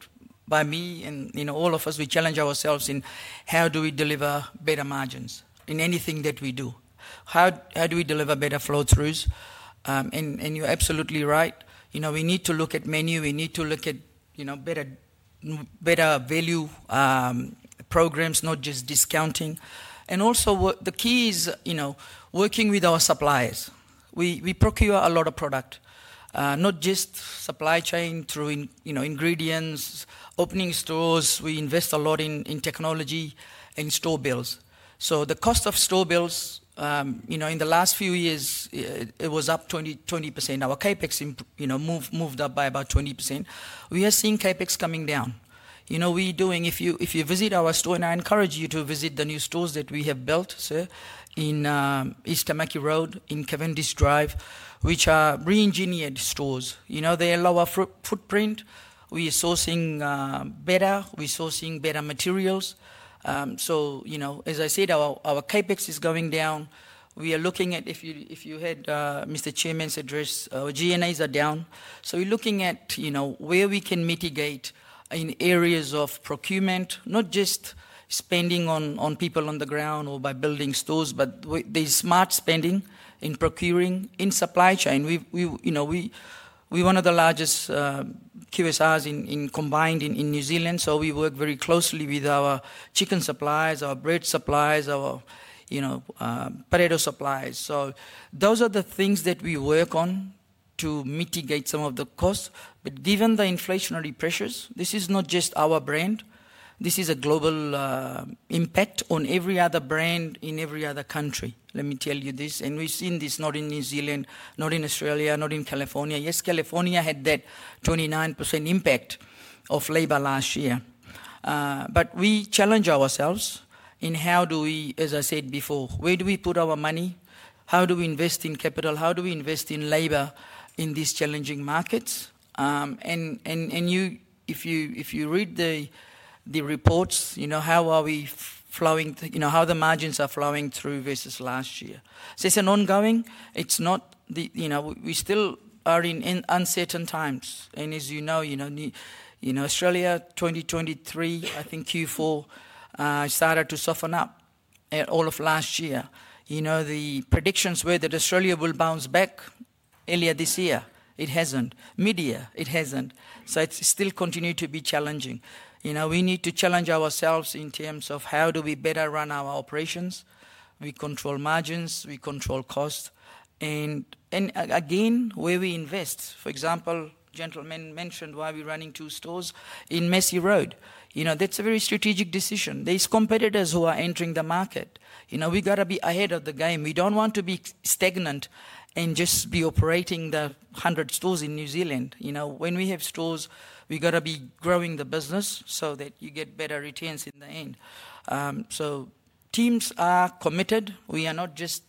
by me, and all of us, we challenge ourselves in how do we deliver better margins in anything that we do? How do we deliver better flow-throughs? You're absolutely right. We need to look at menu. We need to look at better value programs, not just discounting. Also, the key is working with our suppliers. We procure a lot of product, not just supply chain through ingredients, opening stores. We invest a lot in technology and store builds. The cost of store builds in the last few years, it was up 20%. Our CapEx moved up by about 20%. We are seeing CapEx coming down. If you visit our store, and I encourage you to visit the new stores that we have built, sir, in East Tamaki Road, in Cavendish Drive, which are re-engineered stores. They allow our footprint. We are sourcing better. We are sourcing better materials. As I said, our CapEx is going down. We are looking at, if you had Mr. Chairman's address, our G&A are down. So we're looking at where we can mitigate in areas of procurement, not just spending on people on the ground or by building stores, but there's smart spending in procuring in supply chain. We're one of the largest QSRs combined in New Zealand. So we work very closely with our chicken supplies, our bread supplies, our potato supplies. So those are the things that we work on to mitigate some of the costs. But given the inflationary pressures, this is not just our brand. This is a global impact on every other brand in every other country. Let me tell you this. And we've seen this not in New Zealand, not in Australia, not in California. Yes, California had that 29% impact of labor last year. But we challenge ourselves in how do we, as I said before, where do we put our money? How do we invest in capital? How do we invest in labor in these challenging markets? And if you read the reports, how are we flowing, how the margins are flowing through versus last year? It is ongoing. We still are in uncertain times. As you know, Australia 2023, I think Q4, started to soften up all of last year. The predictions were that Australia will bounce back earlier this year. It has not. Mid-year, it has not. It still continued to be challenging. We need to challenge ourselves in terms of how do we better run our operations. We control margins. We control cost. Again, where we invest. For example, a gentleman mentioned why we are running two stores in Massey Road. That is a very strategic decision. There are competitors who are entering the market. We have got to be ahead of the game. We do not want to be stagnant and just be operating the 100 stores in New Zealand. When we have stores, we have to be growing the business so that you get better returns in the end. Teams are committed. We are not just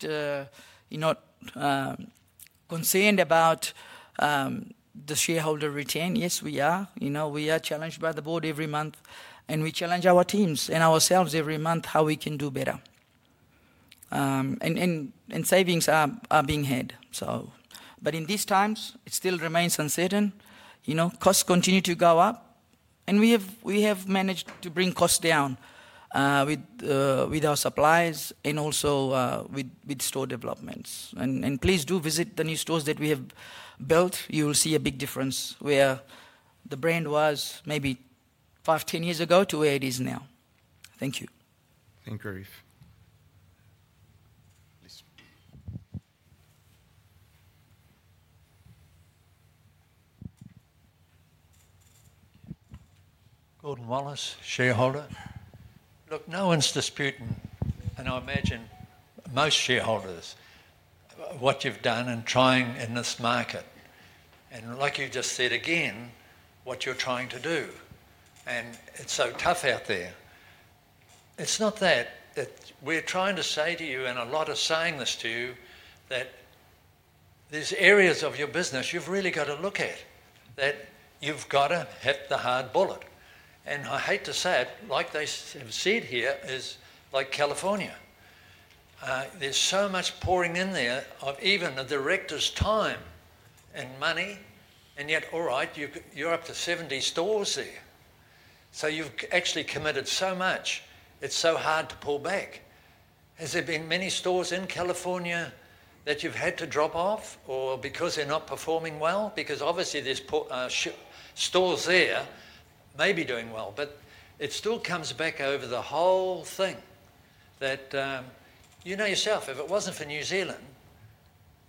concerned about the shareholder return. Yes, we are. We are challenged by the board every month. We challenge our teams and ourselves every month how we can do better. Savings are being had. In these times, it still remains uncertain. Costs continue to go up. We have managed to bring costs down with our supplies and also with store developments. Please do visit the new stores that we have built. You will see a big difference where the brand was maybe 5-10 years ago to where it is now. Thank you. Thank you, Arif. Gordon Wallace, shareholder. Look, no one's disputing, and I imagine most shareholders, what you've done and trying in this market. Like you just said again, what you're trying to do. It's so tough out there. It's not that. We're trying to say to you, and I'm a lot of saying this to you, that there's areas of your business you've really got to look at, that you've got to hit the hard bullet. I hate to say it, like they have said here, is like California. There's so much pouring in there of even a director's time and money. Yet, all right, you're up to 70 stores there. You've actually committed so much. It's so hard to pull back. Has there been many stores in California that you've had to drop off or because they're not performing well? Because obviously, there are stores there maybe doing well, but it still comes back over the whole thing. You know yourself, if it was not for New Zealand,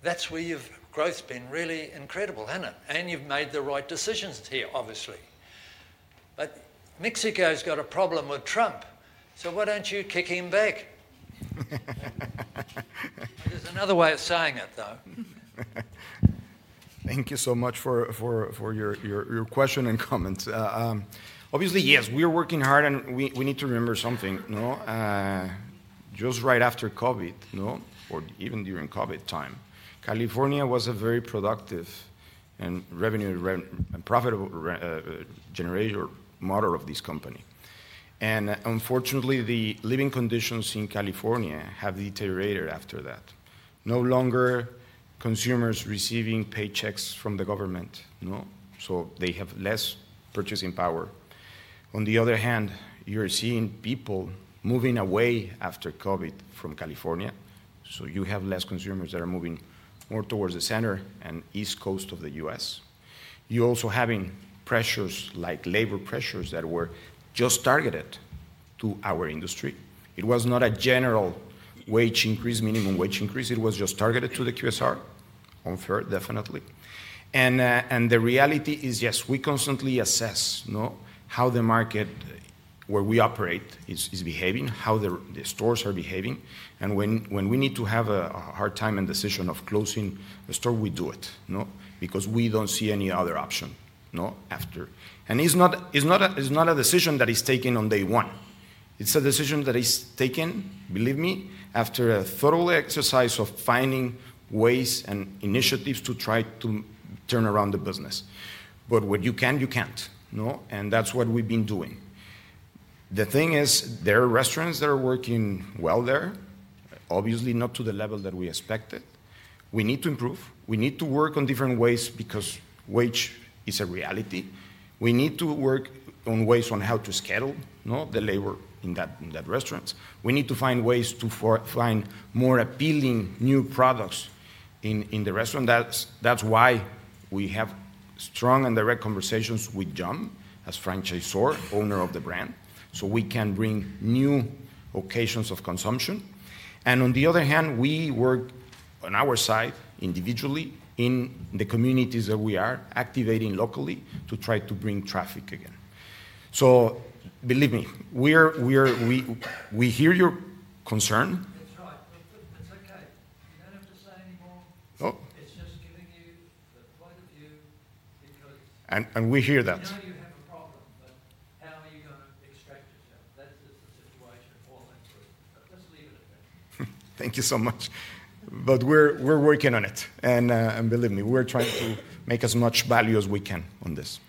that is where your growth has been really incredible, has it not? And you have made the right decisions here, obviously. Mexico has got a problem with Trump. So why do you not kick him back? There is another way of saying it, though. Thank you so much for your question and comment. Obviously, yes, we are working hard and we need to remember something. Just right after COVID, or even during COVID time, California was a very productive and profitable generator model of this company. Unfortunately, the living conditions in California have deteriorated after that. No longer are consumers receiving paychecks from the government. They have less purchasing power. On the other hand, you are seeing people moving away after COVID from California. You have less consumers that are moving more towards the center and east coast of the U.S. You're also having pressures like labor pressures that were just targeted to our industry. It was not a general wage increase, minimum wage increase. It was just targeted to the QSR, unfair, definitely. The reality is, yes, we constantly assess how the market where we operate is behaving, how the stores are behaving. When we need to have a hard time and decision of closing the store, we do it because we don't see any other option after. It is not a decision that is taken on day one. It is a decision that is taken, believe me, after a thorough exercise of finding ways and initiatives to try to turn around the business. What you can, you can't. That's what we've been doing. The thing is, there are restaurants that are working well there, obviously not to the level that we expected. We need to improve. We need to work on different ways because wage is a reality. We need to work on ways on how to scale the labor in that restaurant. We need to find ways to find more appealing new products in the restaurant. That is why we have strong and direct conversations with John as franchisor, owner of the brand, so we can bring new occasions of consumption. On the other hand, we work on our side individually in the communities that we are activating locally to try to bring traffic again. Believe me, we hear your concern. That is right. It is okay. You do not have to say anymore. It is just giving you the point of view because. We hear that. Now you have a problem, but how are you going to extract it, John? That's the situation for that person. Let's leave it at that. Thank you so much. We're working on it. Believe me, we're trying to make as much value as we can on this.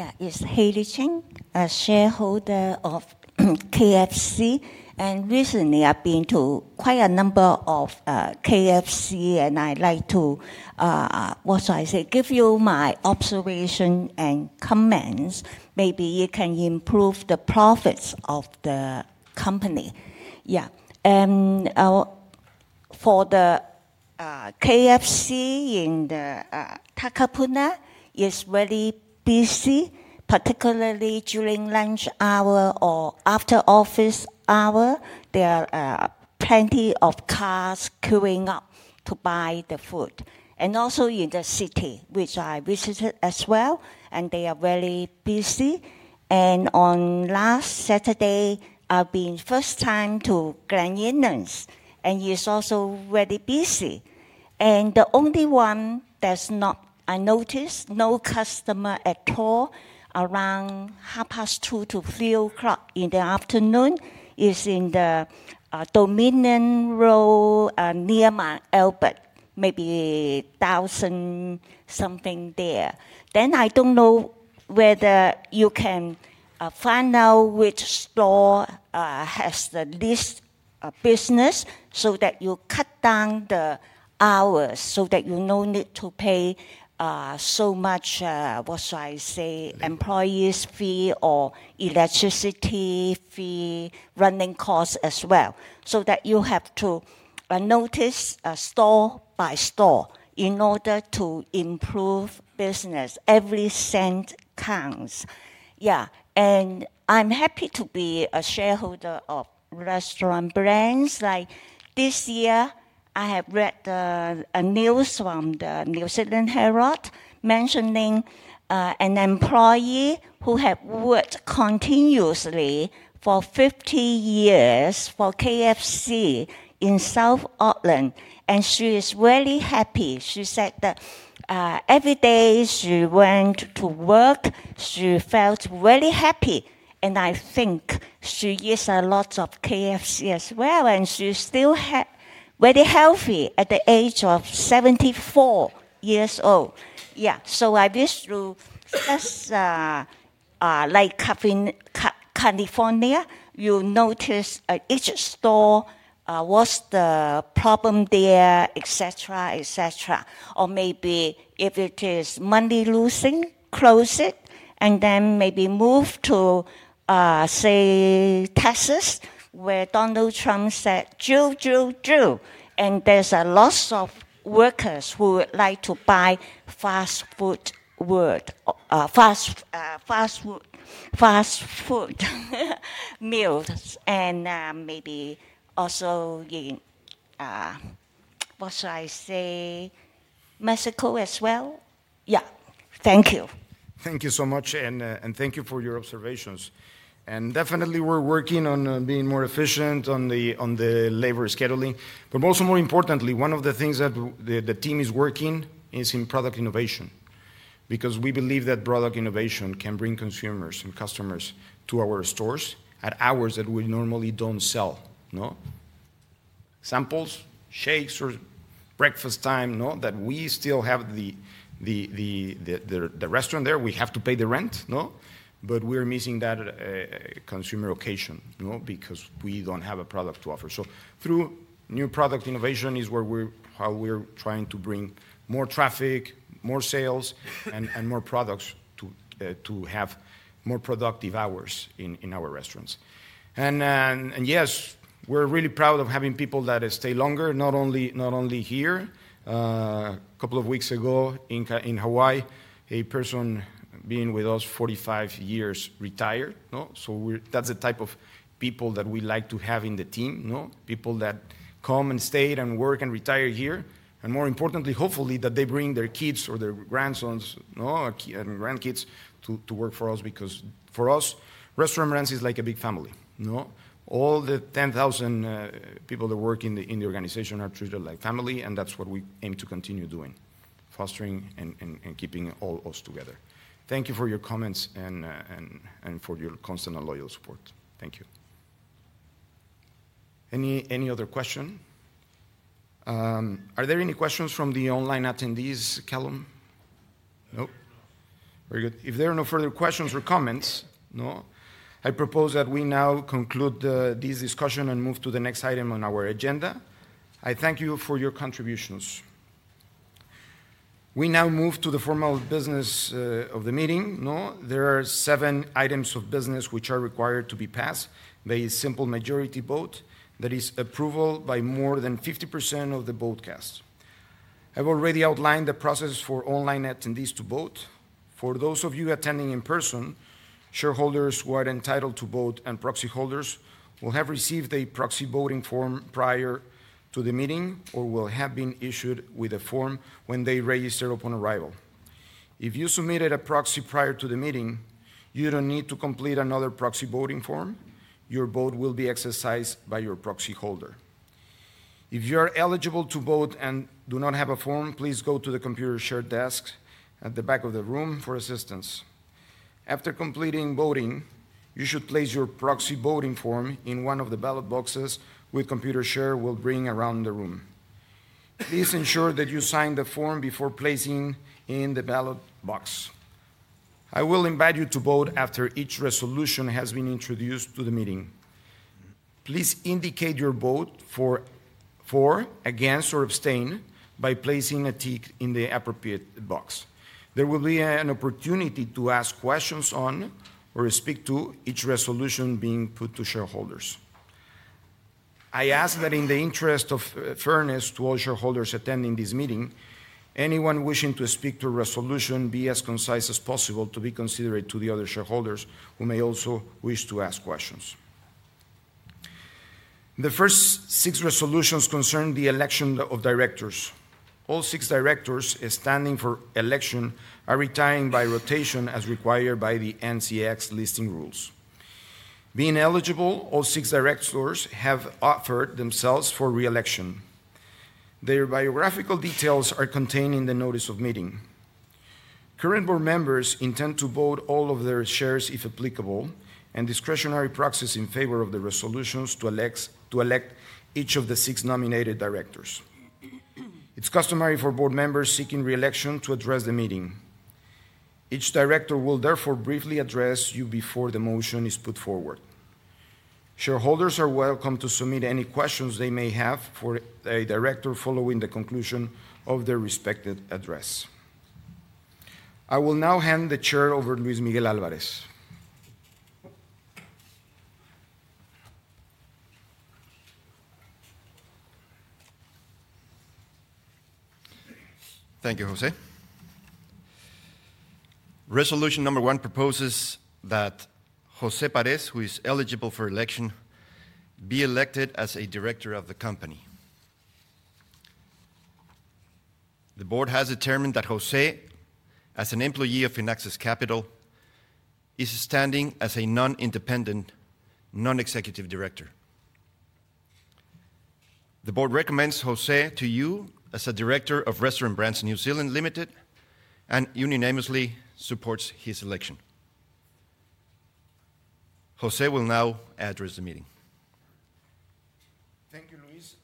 Yeah. It's Hailey Cheng, a shareholder of KFC. Recently, I've been to quite a number of KFC, and I'd like to, what should I say, give you my observation and comments. Maybe it can improve the profits of the company. Yeah. For the KFC in Takapuna, it's very busy, particularly during lunch hour or after office hour. There are plenty of cars queuing up to buy the food. Also in the city, which I visited as well, they are very busy. On last Saturday, I've been first time to Grand Inns. It is also very busy. The only one that is not, I noticed, no customer at all around 2:30 P.M. to 3:00 P.M. in the afternoon is in the Dominion Road near Mount Albert, maybe 1,000 something there. I do not know whether you can find out which store has the least business so that you cut down the hours so that you do not need to pay so much, what should I say, employees' fee or electricity fee, running costs as well. You have to notice store by store in order to improve business. Every cent counts. Yeah. I am happy to be a shareholder of Restaurant Brands. This year, I have read a news from the New Zealand Herald mentioning an employee who had worked continuously for 50 years for KFC in South Auckland. She is really happy. She said that every day she went to work, she felt really happy. I think she used a lot of KFC as well. She is still very healthy at the age of 74 years old. Yeah. I wish you, just like California, you notice each store, what's the problem there, etc., etc. Or maybe if it is money losing, close it. Maybe move to, say, Texas where Donald Trump said, "Joe, Joe, Joe." There are a lot of workers who would like to buy fast food meals. Maybe also in, what should I say, Mexico as well. Yeah. Thank you. Thank you so much. Thank you for your observations. Definitely, we are working on being more efficient on the labor scheduling. Also, more importantly, one of the things that the team is working on is product innovation because we believe that product innovation can bring consumers and customers to our stores at hours that we normally do not sell. Samples, shakes, or breakfast time that we still have the restaurant there. We have to pay the rent, but we are missing that consumer occasion because we do not have a product to offer. Through new product innovation is how we are trying to bring more traffic, more sales, and more products to have more productive hours in our restaurants. Yes, we are really proud of having people that stay longer, not only here. A couple of weeks ago in Hawaii, a person being with us 45 years retired. That is the type of people that we like to have in the team, people that come and stay and work and retire here. More importantly, hopefully, that they bring their kids or their grandsons and grandkids to work for us because for us, Restaurant Brands is like a big family. All the 10,000 people that work in the organization are treated like family. That is what we aim to continue doing, fostering and keeping all of us together. Thank you for your comments and for your constant and loyal support. Thank you. Any other question? Are there any questions from the online attendees, Callum? No? Very good. If there are no further questions or comments, I propose that we now conclude this discussion and move to the next item on our agenda. I thank you for your contributions. We now move to the formal business of the meeting. There are seven items of business which are required to be passed by a simple majority vote, that is, approval by more than 50% of the vote cast. I've already outlined the process for online attendees to vote. For those of you attending in person, shareholders who are entitled to vote and proxy holders will have received a proxy voting form prior to the meeting or will have been issued with a form when they register upon arrival. If you submitted a proxy prior to the meeting, you don't need to complete another proxy voting form. Your vote will be exercised by your proxy holder. If you are eligible to vote and do not have a form, please go to the Computershare desk at the back of the room for assistance. After completing voting, you should place your proxy voting form in one of the ballot boxes which Computershare will bring around the room. Please ensure that you sign the form before placing it in the ballot box. I will invite you to vote after each resolution has been introduced to the meeting. Please indicate your vote for, against, or abstain by placing a tick in the appropriate box. There will be an opportunity to ask questions on or speak to each resolution being put to shareholders. I ask that in the interest of fairness to all shareholders attending this meeting, anyone wishing to speak to a resolution be as concise as possible to be considerate to the other shareholders who may also wish to ask questions. The first six resolutions concern the election of directors. All six directors standing for election are retired by rotation as required by the NZX listing rules. Being eligible, all six directors have offered themselves for reelection. Their biographical details are contained in the notice of meeting. Current board members intend to vote all of their shares if applicable, and discretionary proxies in favor of the resolutions to elect each of the six nominated directors. It's customary for board members seeking reelection to address the meeting. Each director will therefore briefly address you before the motion is put forward. Shareholders are welcome to submit any questions they may have for a director following the conclusion of their respected address. I will now hand the chair over to Luis Miguel Álvarez. Thank you, José. Resolution number one proposes that José Parés, who is eligible for election, be elected as a director of the company. The board has determined that José, as an employee of Finaccess Capital, is standing as a non-independent, non-executive director. The board recommends José to you as a director of Restaurant Brands New Zealand Limited and unanimously supports his election. José will now address the meeting. Thank you, Luis.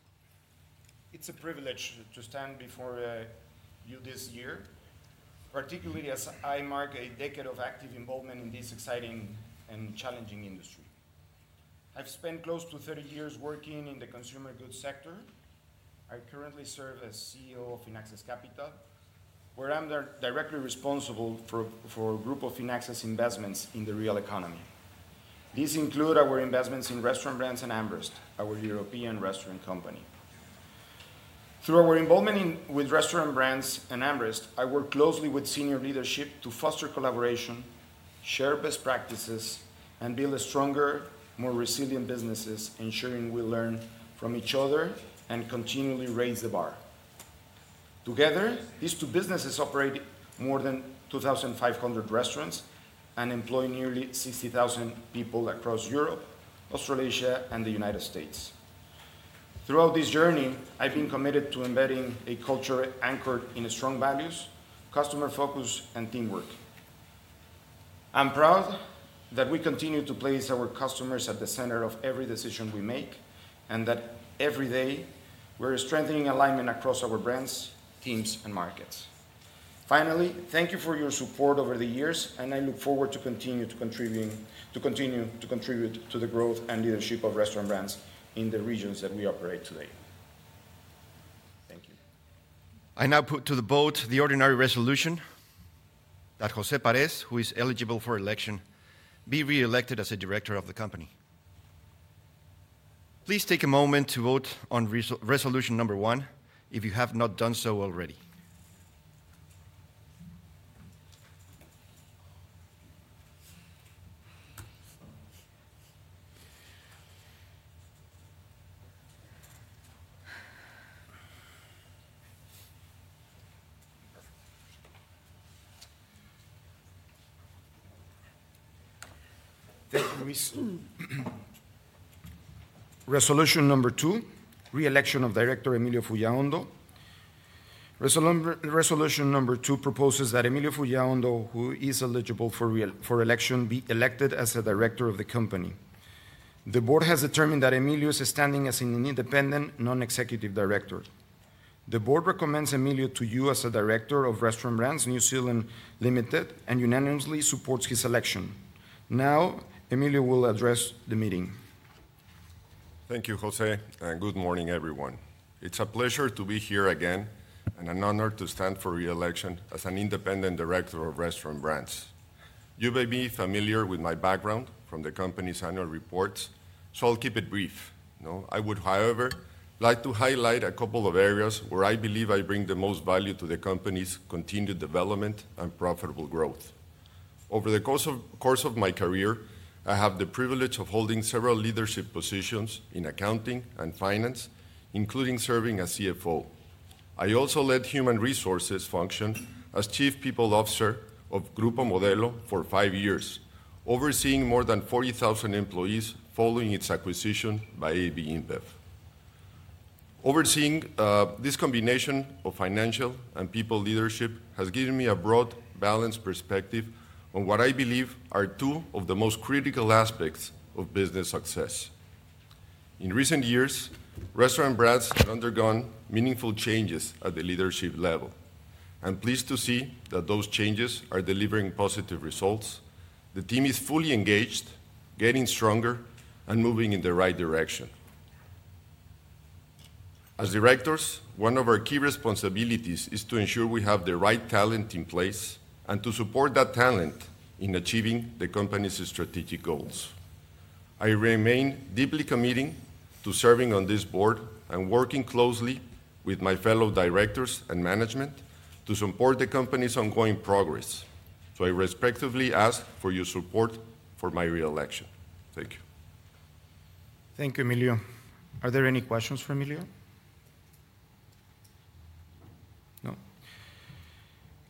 It's a privilege to stand before you this year, particularly as I mark a decade of active involvement in this exciting and challenging industry. I've spent close to 30 years working in the consumer goods sector. I currently serve as CEO of Finaccess Capital, where I'm directly responsible for a group of Finaxis investments in the real economy. These include our investments in Restaurant Brands and AmRest, our European restaurant company. Through our involvement with Restaurant Brands and AmRest, I work closely with senior leadership to foster collaboration, share best practices, and build stronger, more resilient businesses, ensuring we learn from each other and continually raise the bar. Together, these two businesses operate more than 2,500 restaurants and employ nearly 60,000 people across Europe, Australasia, and the United States. Throughout this journey, I've been committed to embedding a culture anchored in strong values, customer focus, and teamwork. I'm proud that we continue to place our customers at the center of every decision we make and that every day we're strengthening alignment across our brands, teams, and markets. Finally, thank you for your support over the years, and I look forward to continue to contribute to the growth and leadership of Restaurant Brands in the regions that we operate today. Thank you. I now put to the vote the ordinary resolution that José Parés, who is eligible for election, be reelected as a director of the company. Please take a moment to vote on resolution number one if you have not done so already. Thank you, Luis. Resolution Number Two, reelection of Director Emilio Fullaondo. Resolution Number Two proposes that Emilio Fullaondo, who is eligible for election, be elected as a director of the company. The board has determined that Emilio is standing as an independent, non-executive director. The board recommends Emilio to you as a director of Restaurant Brands New Zealand Limited and unanimously supports his election. Now, Emilio will address the meeting. Thank you, José. Good morning, everyone. It's a pleasure to be here again and an honor to stand for reelection as an independent director of Restaurant Brands. You may be familiar with my background from the company's annual reports, so I'll keep it brief. I would, however, like to highlight a couple of areas where I believe I bring the most value to the company's continued development and profitable growth. Over the course of my career, I have the privilege of holding several leadership positions in accounting and finance, including serving as CFO. I also led human resources function as Chief People Officer of Grupo Modelo for five years, overseeing more than 40,000 employees following its acquisition by AB InBev. Overseeing this combination of financial and people leadership has given me a broad, balanced perspective on what I believe are two of the most critical aspects of business success. In recent years, Restaurant Brands has undergone meaningful changes at the leadership level. I'm pleased to see that those changes are delivering positive results. The team is fully engaged, getting stronger, and moving in the right direction. As directors, one of our key responsibilities is to ensure we have the right talent in place and to support that talent in achieving the company's strategic goals. I remain deeply committed to serving on this board and working closely with my fellow directors and management to support the company's ongoing progress. I respectfully ask for your support for my reelection. Thank you. Thank you, Emilio. Are there any questions for Emilio?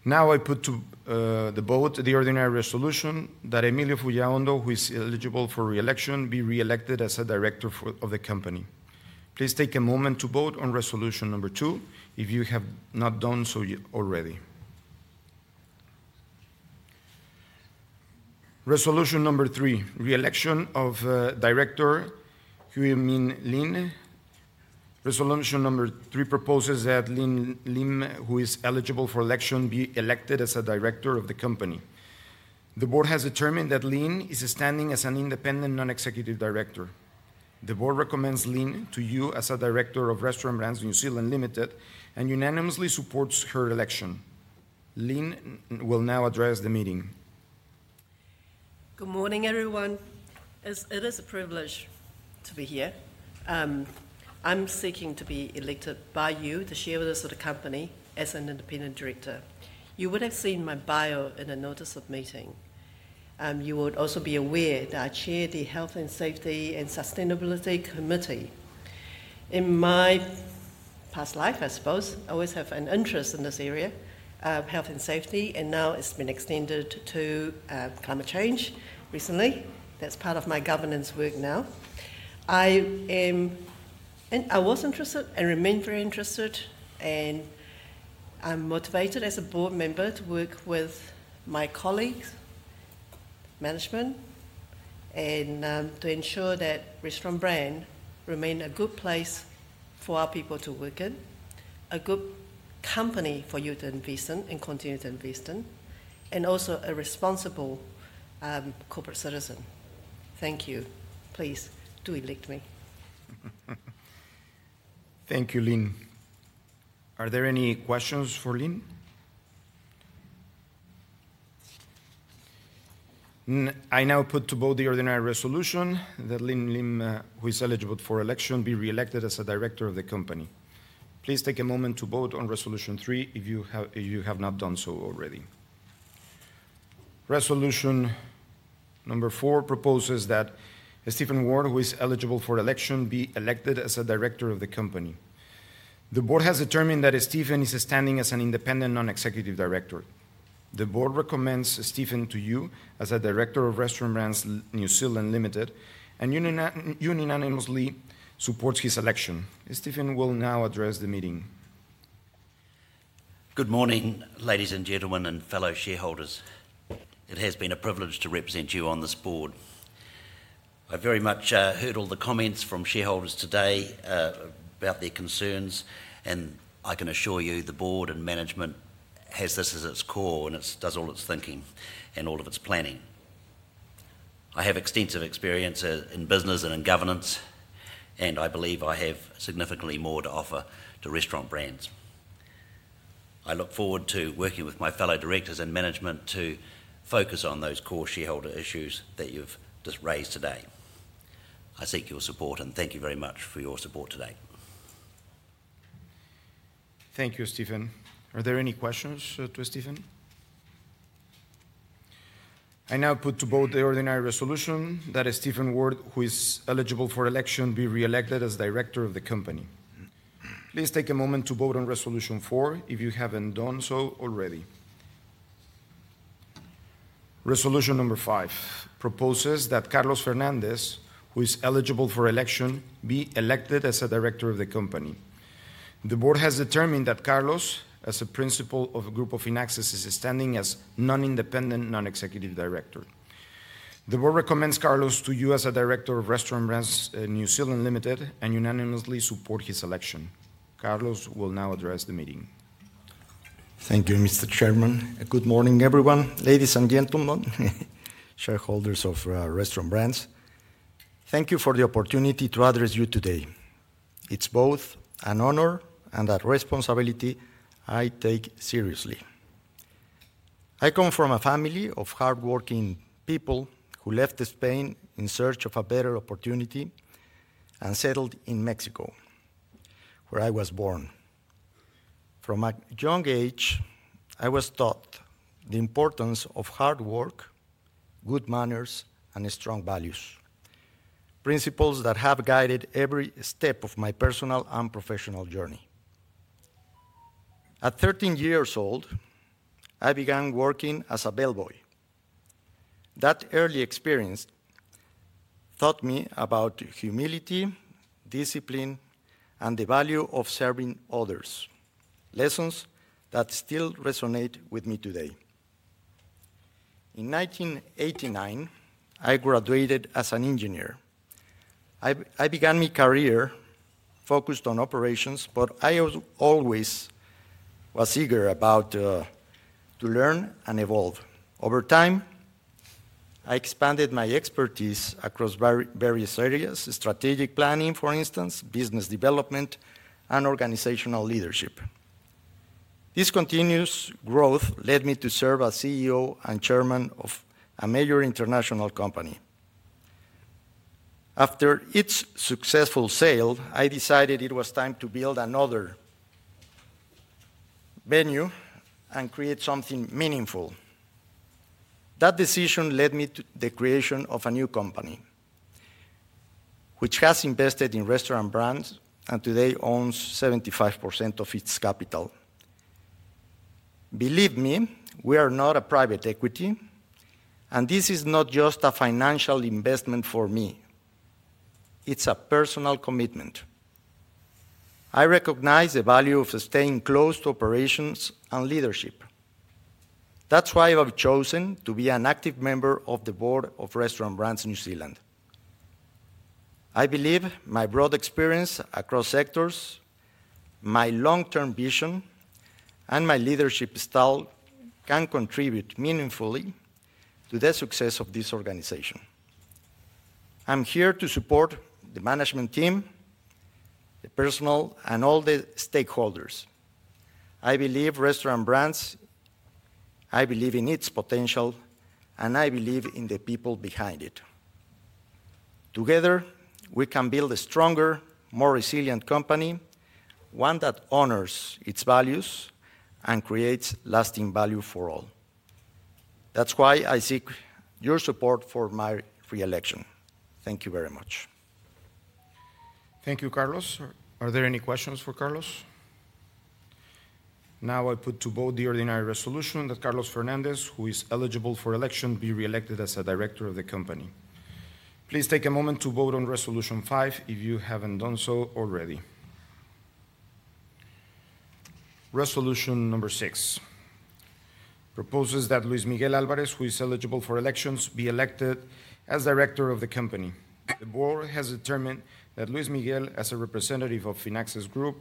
No? Now I put to the vote the ordinary resolution that Emilio Fullaondo, who is eligible for reelection, be reelected as a director of the company. Please take a moment to vote on Resolution Number Two if you have not done so already. Resolution Number Three, reelection of Director Huei Min Lyn. Resolution Number Three proposes that Lyn Lim, who is eligible for election, be elected as a director of the company. The board has determined that Lyn is standing as an independent, non-executive director. The board recommends Lyn to you as a director of Restaurant Brands New Zealand Limited and unanimously supports her election. Lyn will now address the meeting. Good morning, everyone. It is a privilege to be here. I'm seeking to be elected by you to share with us at the company as an independent director. You would have seen my bio in the notice of meeting. You would also be aware that I chair the Health and Safety and Sustainability Committee. In my past life, I suppose, I always had an interest in this area of health and safety, and now it's been extended to climate change recently. That's part of my governance work now. I was interested and remain very interested, and I'm motivated as a board member to work with my colleagues, management, and to ensure that Restaurant Brands remains a good place for our people to work in, a good company for you to invest in and continue to invest in, and also a responsible corporate citizen. Thank you. Please do elect me. Thank you, Lyn. Are there any questions for Lyn? I now put to vote the ordinary resolution that Lyn Lim, who is eligible for election, be reelected as a director of the company. Please take a moment to vote on Resolution Three if you have not done so already. Resolution Number Four proposes that Stephen Ward, who is eligible for election, be elected as a director of the company. The board has determined that Stephen is standing as an independent, non-executive director. The board recommends Stephen to you as a director of Restaurant Brands New Zealand Limited and unanimously supports his election. Stephen will now address the meeting. Good morning, ladies and gentlemen, and fellow shareholders. It has been a privilege to represent you on this board. I very much heard all the comments from shareholders today about their concerns, and I can assure you the board and management has this as its core and does all its thinking and all of its planning. I have extensive experience in business and in governance, and I believe I have significantly more to offer to Restaurant Brands. I look forward to working with my fellow directors and management to focus on those core shareholder issues that you've just raised today. I seek your support and thank you very much for your support today. Thank you, Stephen. Are there any questions to Stephen? I now put to vote the ordinary resolution that Stephen Ward, who is eligible for election, be reelected as director of the company. Please take a moment to vote on Resolution Four if you haven't done so already. Resolution Number Five proposes that Carlos Fernández, who is eligible for election, be elected as a director of the company. The board has determined that Carlos, as the principal of a group of Finaxis, is standing as non-independent, non-executive director. The board recommends Carlos to you as a director of Restaurant Brands New Zealand Limited and unanimously support his election. Carlos will now address the meeting. Thank you, Mr. Chairman. Good morning, everyone. Ladies and gentlemen, shareholders of Restaurant Brands, thank you for the opportunity to address you today. It's both an honor and a responsibility I take seriously. I come from a family of hardworking people who left Spain in search of a better opportunity and settled in Mexico, where I was born. From a young age, I was taught the importance of hard work, good manners, and strong values, principles that have guided every step of my personal and professional journey. At 13 years old, I began working as a bellboy. That early experience taught me about humility, discipline, and the value of serving others, lessons that still resonate with me today. In 1989, I graduated as an engineer. I began my career focused on operations, but I always was eager to learn and evolve. Over time, I expanded my expertise across various areas, strategic planning, for instance, business development, and organizational leadership. This continuous growth led me to serve as CEO and chairman of a major international company. After its successful sale, I decided it was time to build another venue and create something meaningful. That decision led me to the creation of a new company, which has invested in Restaurant Brands and today owns 75% of its capital. Believe me, we are not a private equity, and this is not just a financial investment for me. It's a personal commitment. I recognize the value of staying close to operations and leadership. That's why I've chosen to be an active member of the board of Restaurant Brands New Zealand. I believe my broad experience across sectors, my long-term vision, and my leadership style can contribute meaningfully to the success of this organization. I'm here to support the management team, the personnel, and all the stakeholders. I believe Restaurant Brands, I believe in its potential, and I believe in the people behind it. Together, we can build a stronger, more resilient company, one that honors its values and creates lasting value for all. That's why I seek your support for my reelection. Thank you very much. Thank you, Carlos. Are there any questions for Carlos? Now I put to vote the ordinary resolution that Carlos Fernández, who is eligible for election, be reelected as a director of the company. Please take a moment to vote on Resolution Five if you haven't done so already. Resolution Number Six proposes that Luis Miguel Álvarez, who is eligible for election, be elected as director of the company. The board has determined that Luis Miguel, as a representative of Finaccess Group,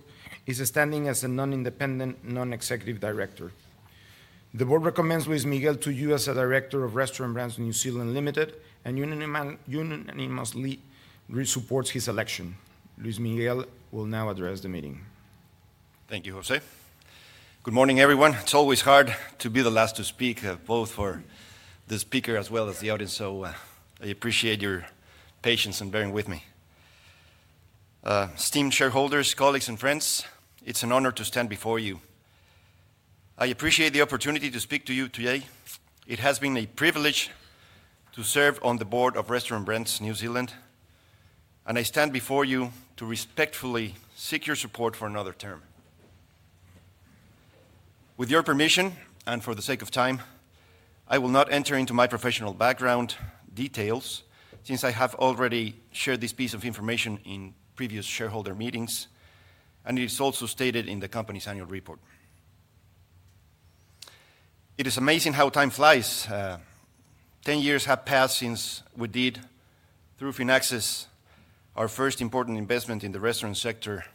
is standing as a non-independent, non-executive director. The board recommends Luis Miguel to you as a director of Restaurant Brands New Zealand Limited and unanimously supports his election. Luis Miguel will now address the meeting. Thank you, José. Good morning, everyone. It's always hard to be the last to speak, both for the speaker as well as the audience, so I appreciate your patience and bearing with me. Esteemed shareholders, colleagues, and friends, it's an honor to stand before you. I appreciate the opportunity to speak to you today. It has been a privilege to serve on the board of Restaurant Brands New Zealand, and I stand before you to respectfully seek your support for another term. With your permission and for the sake of time, I will not enter into my professional background details since I have already shared this piece of information in previous shareholder meetings, and it is also stated in the company's annual report. It is amazing how time flies. Ten years have passed since we did, through Finaxis, our first important investment in the restaurant sector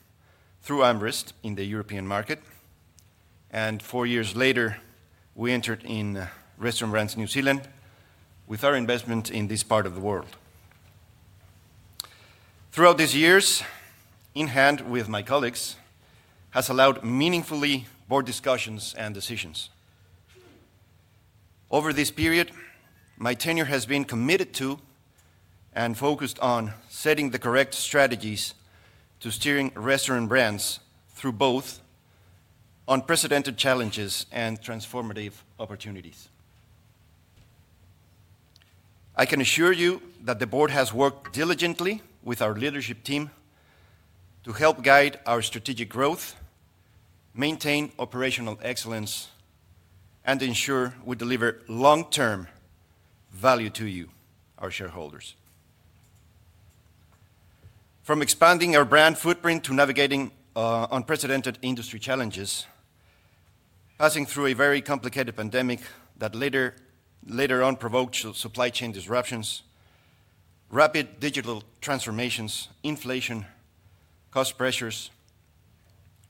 through AmRest in the European market, and four years later, we entered in Restaurant Brands New Zealand with our investment in this part of the world. Throughout these years, in hand with my colleagues, has allowed meaningful board discussions and decisions. Over this period, my tenure has been committed to and focused on setting the correct strategies to steer Restaurant Brands through both unprecedented challenges and transformative opportunities. I can assure you that the board has worked diligently with our leadership team to help guide our strategic growth, maintain operational excellence, and ensure we deliver long-term value to you, our shareholders. From expanding our brand footprint to navigating unprecedented industry challenges, passing through a very complicated pandemic that later on provoked supply chain disruptions, rapid digital transformations, inflation, cost pressures,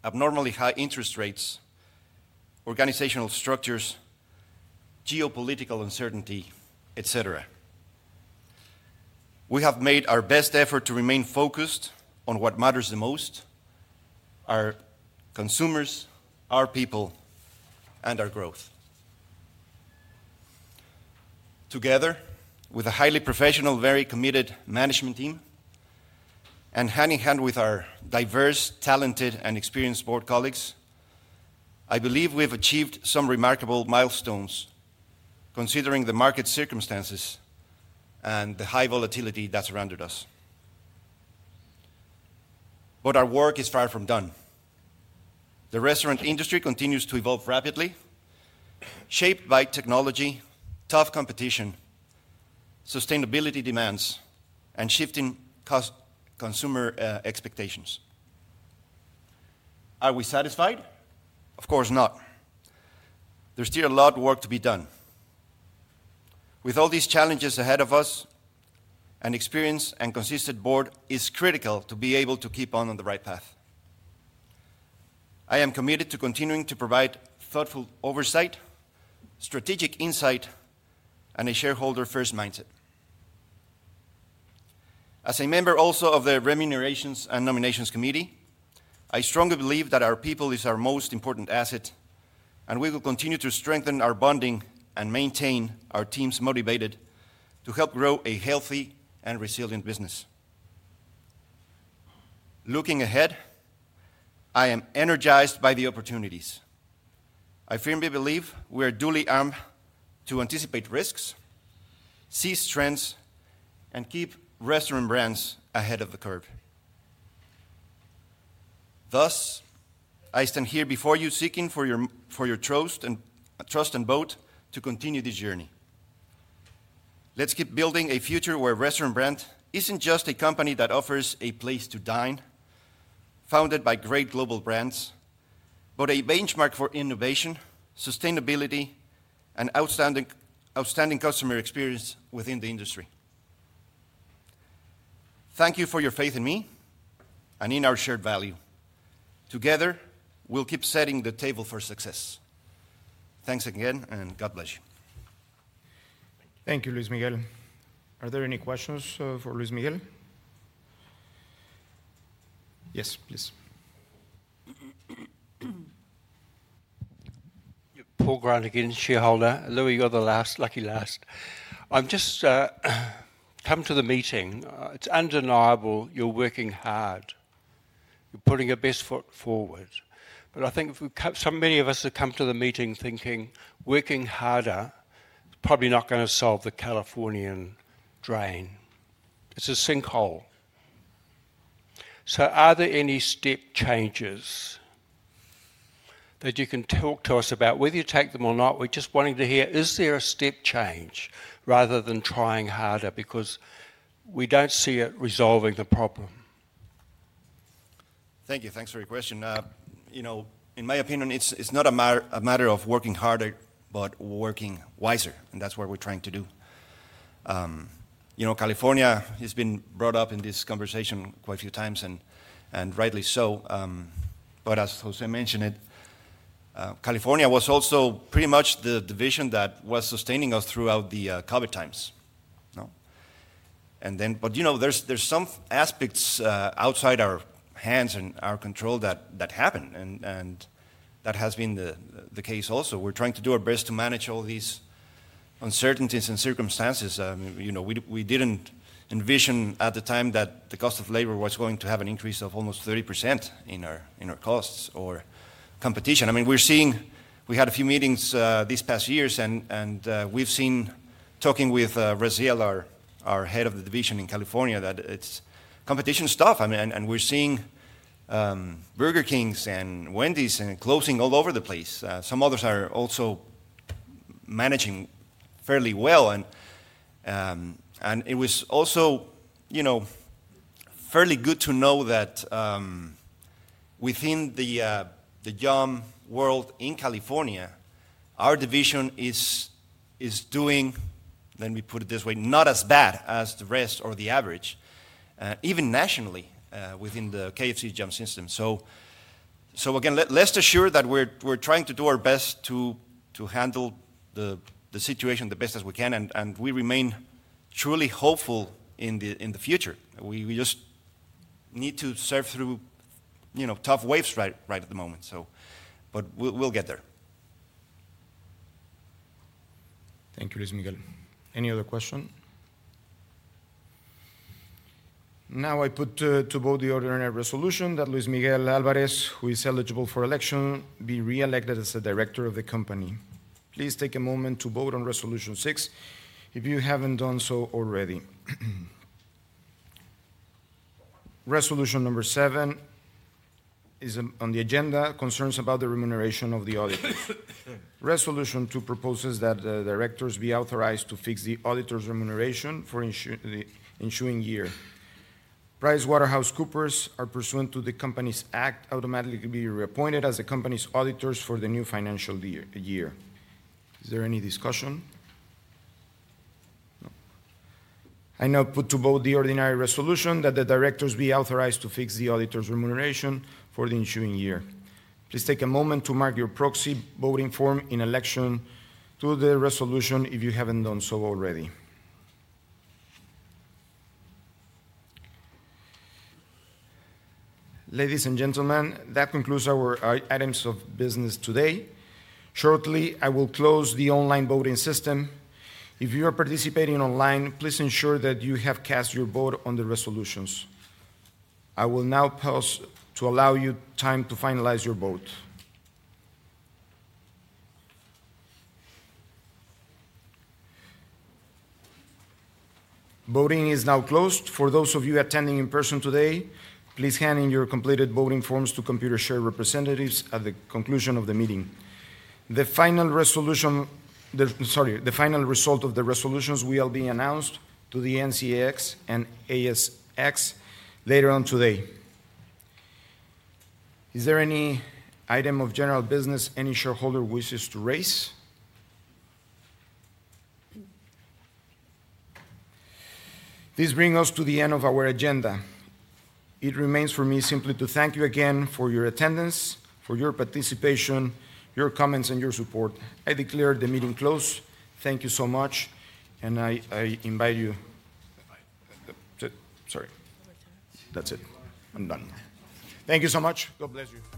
abnormally high interest rates, organizational structures, geopolitical uncertainty, etc., we have made our best effort to remain focused on what matters the most: our consumers, our people, and our growth. Together, with a highly professional, very committed management team, and hand in hand with our diverse, talented, and experienced board colleagues, I believe we've achieved some remarkable milestones considering the market circumstances and the high volatility that surrounded us. Our work is far from done. The restaurant industry continues to evolve rapidly, shaped by technology, tough competition, sustainability demands, and shifting consumer expectations. Are we satisfied? Of course not. There's still a lot of work to be done. With all these challenges ahead of us, an experienced and consistent board is critical to be able to keep on the right path. I am committed to continuing to provide thoughtful oversight, strategic insight, and a shareholder-first mindset. As a member also of the Remunerations and Nominations Committee, I strongly believe that our people are our most important asset, and we will continue to strengthen our bonding and maintain our teams motivated to help grow a healthy and resilient business. Looking ahead, I am energized by the opportunities. I firmly believe we are duly armed to anticipate risks, seize trends, and keep Restaurant Brands ahead of the curve. Thus, I stand here before you seeking for your trust and vote to continue this journey. Let's keep building a future where Restaurant Brands isn't just a company that offers a place to dine, founded by great global brands, but a benchmark for innovation, sustainability, and outstanding customer experience within the industry. Thank you for your faith in me and in our shared value. Together, we'll keep setting the table for success. Thanks again, and God bless you. Thank you, Luis Miguel. Are there any questions for Luis Miguel? Yes, please. Paul Grant again, shareholder. Luis, you're the last, lucky last. I've just come to the meeting. It's undeniable you're working hard. You're putting your best foot forward. I think so many of us have come to the meeting thinking working harder is probably not going to solve the Californian drain. It's a sinkhole. Are there any step changes that you can talk to us about? Whether you take them or not, we're just wanting to hear, is there a step change rather than trying harder because we don't see it resolving the problem? Thank you. Thanks for your question. You know, in my opinion, it's not a matter of working harder, but working wiser, and that's what we're trying to do. You know, California has been brought up in this conversation quite a few times, and rightly so. As José mentioned, California was also pretty much the division that was sustaining us throughout the COVID times. There are some aspects outside our hands and our control that happened, and that has been the case also. We're trying to do our best to manage all these uncertainties and circumstances. You know, we didn't envision at the time that the cost of labor was going to have an increase of almost 30% in our costs or competition. I mean, we're seeing we had a few meetings these past years, and we've seen talking with Raziel, our head of the division in California, that it's competition stuff. I mean, and we're seeing Burger Kings and Wendy's closing all over the place. Some others are also managing fairly well. It was also, you know, fairly good to know that within the JAM world in California, our division is doing, let me put it this way, not as bad as the rest or the average, even nationally within the KFC JAM system. Again, let's assure that we're trying to do our best to handle the situation the best as we can, and we remain truly hopeful in the future. We just need to surf through, you know, tough waves right at the moment. So, but we'll get there. Thank you, Luis Miguel. Any other question? Now I put to vote the ordinary resolution that Luis Miguel Álvarez, who is eligible for election, be reelected as the director of the company. Please take a moment to vote on Resolution Six if you haven't done so already. Resolution Number Seven is on the agenda, concerns about the remuneration of the auditors. Resolution Two proposes that the directors be authorized to fix the auditor's remuneration for the ensuing year. PwC are pursuant to the Companies Act automatically be reappointed as the company's auditors for the new financial year. Is there any discussion? No. I now put to vote the ordinary resolution that the directors be authorized to fix the auditor's remuneration for the ensuing year. Please take a moment to mark your proxy voting form in election to the resolution if you haven't done so already. Ladies and gentlemen, that concludes our items of business today. Shortly, I will close the online voting system. If you are participating online, please ensure that you have cast your vote on the resolutions. I will now pause to allow you time to finalize your vote. Voting is now closed. For those of you attending in person today, please hand in your completed voting forms to Computershare representatives at the conclusion of the meeting. The final result of the resolutions will be announced to the NZX and ASX later on today. Is there any item of general business any shareholder wishes to raise? This brings us to the end of our agenda. It remains for me simply to thank you again for your attendance, for your participation, your comments, and your support. I declare the meeting closed. Thank you so much, and I invite you to, sorry, that's it. I'm done. Thank you so much. God bless you.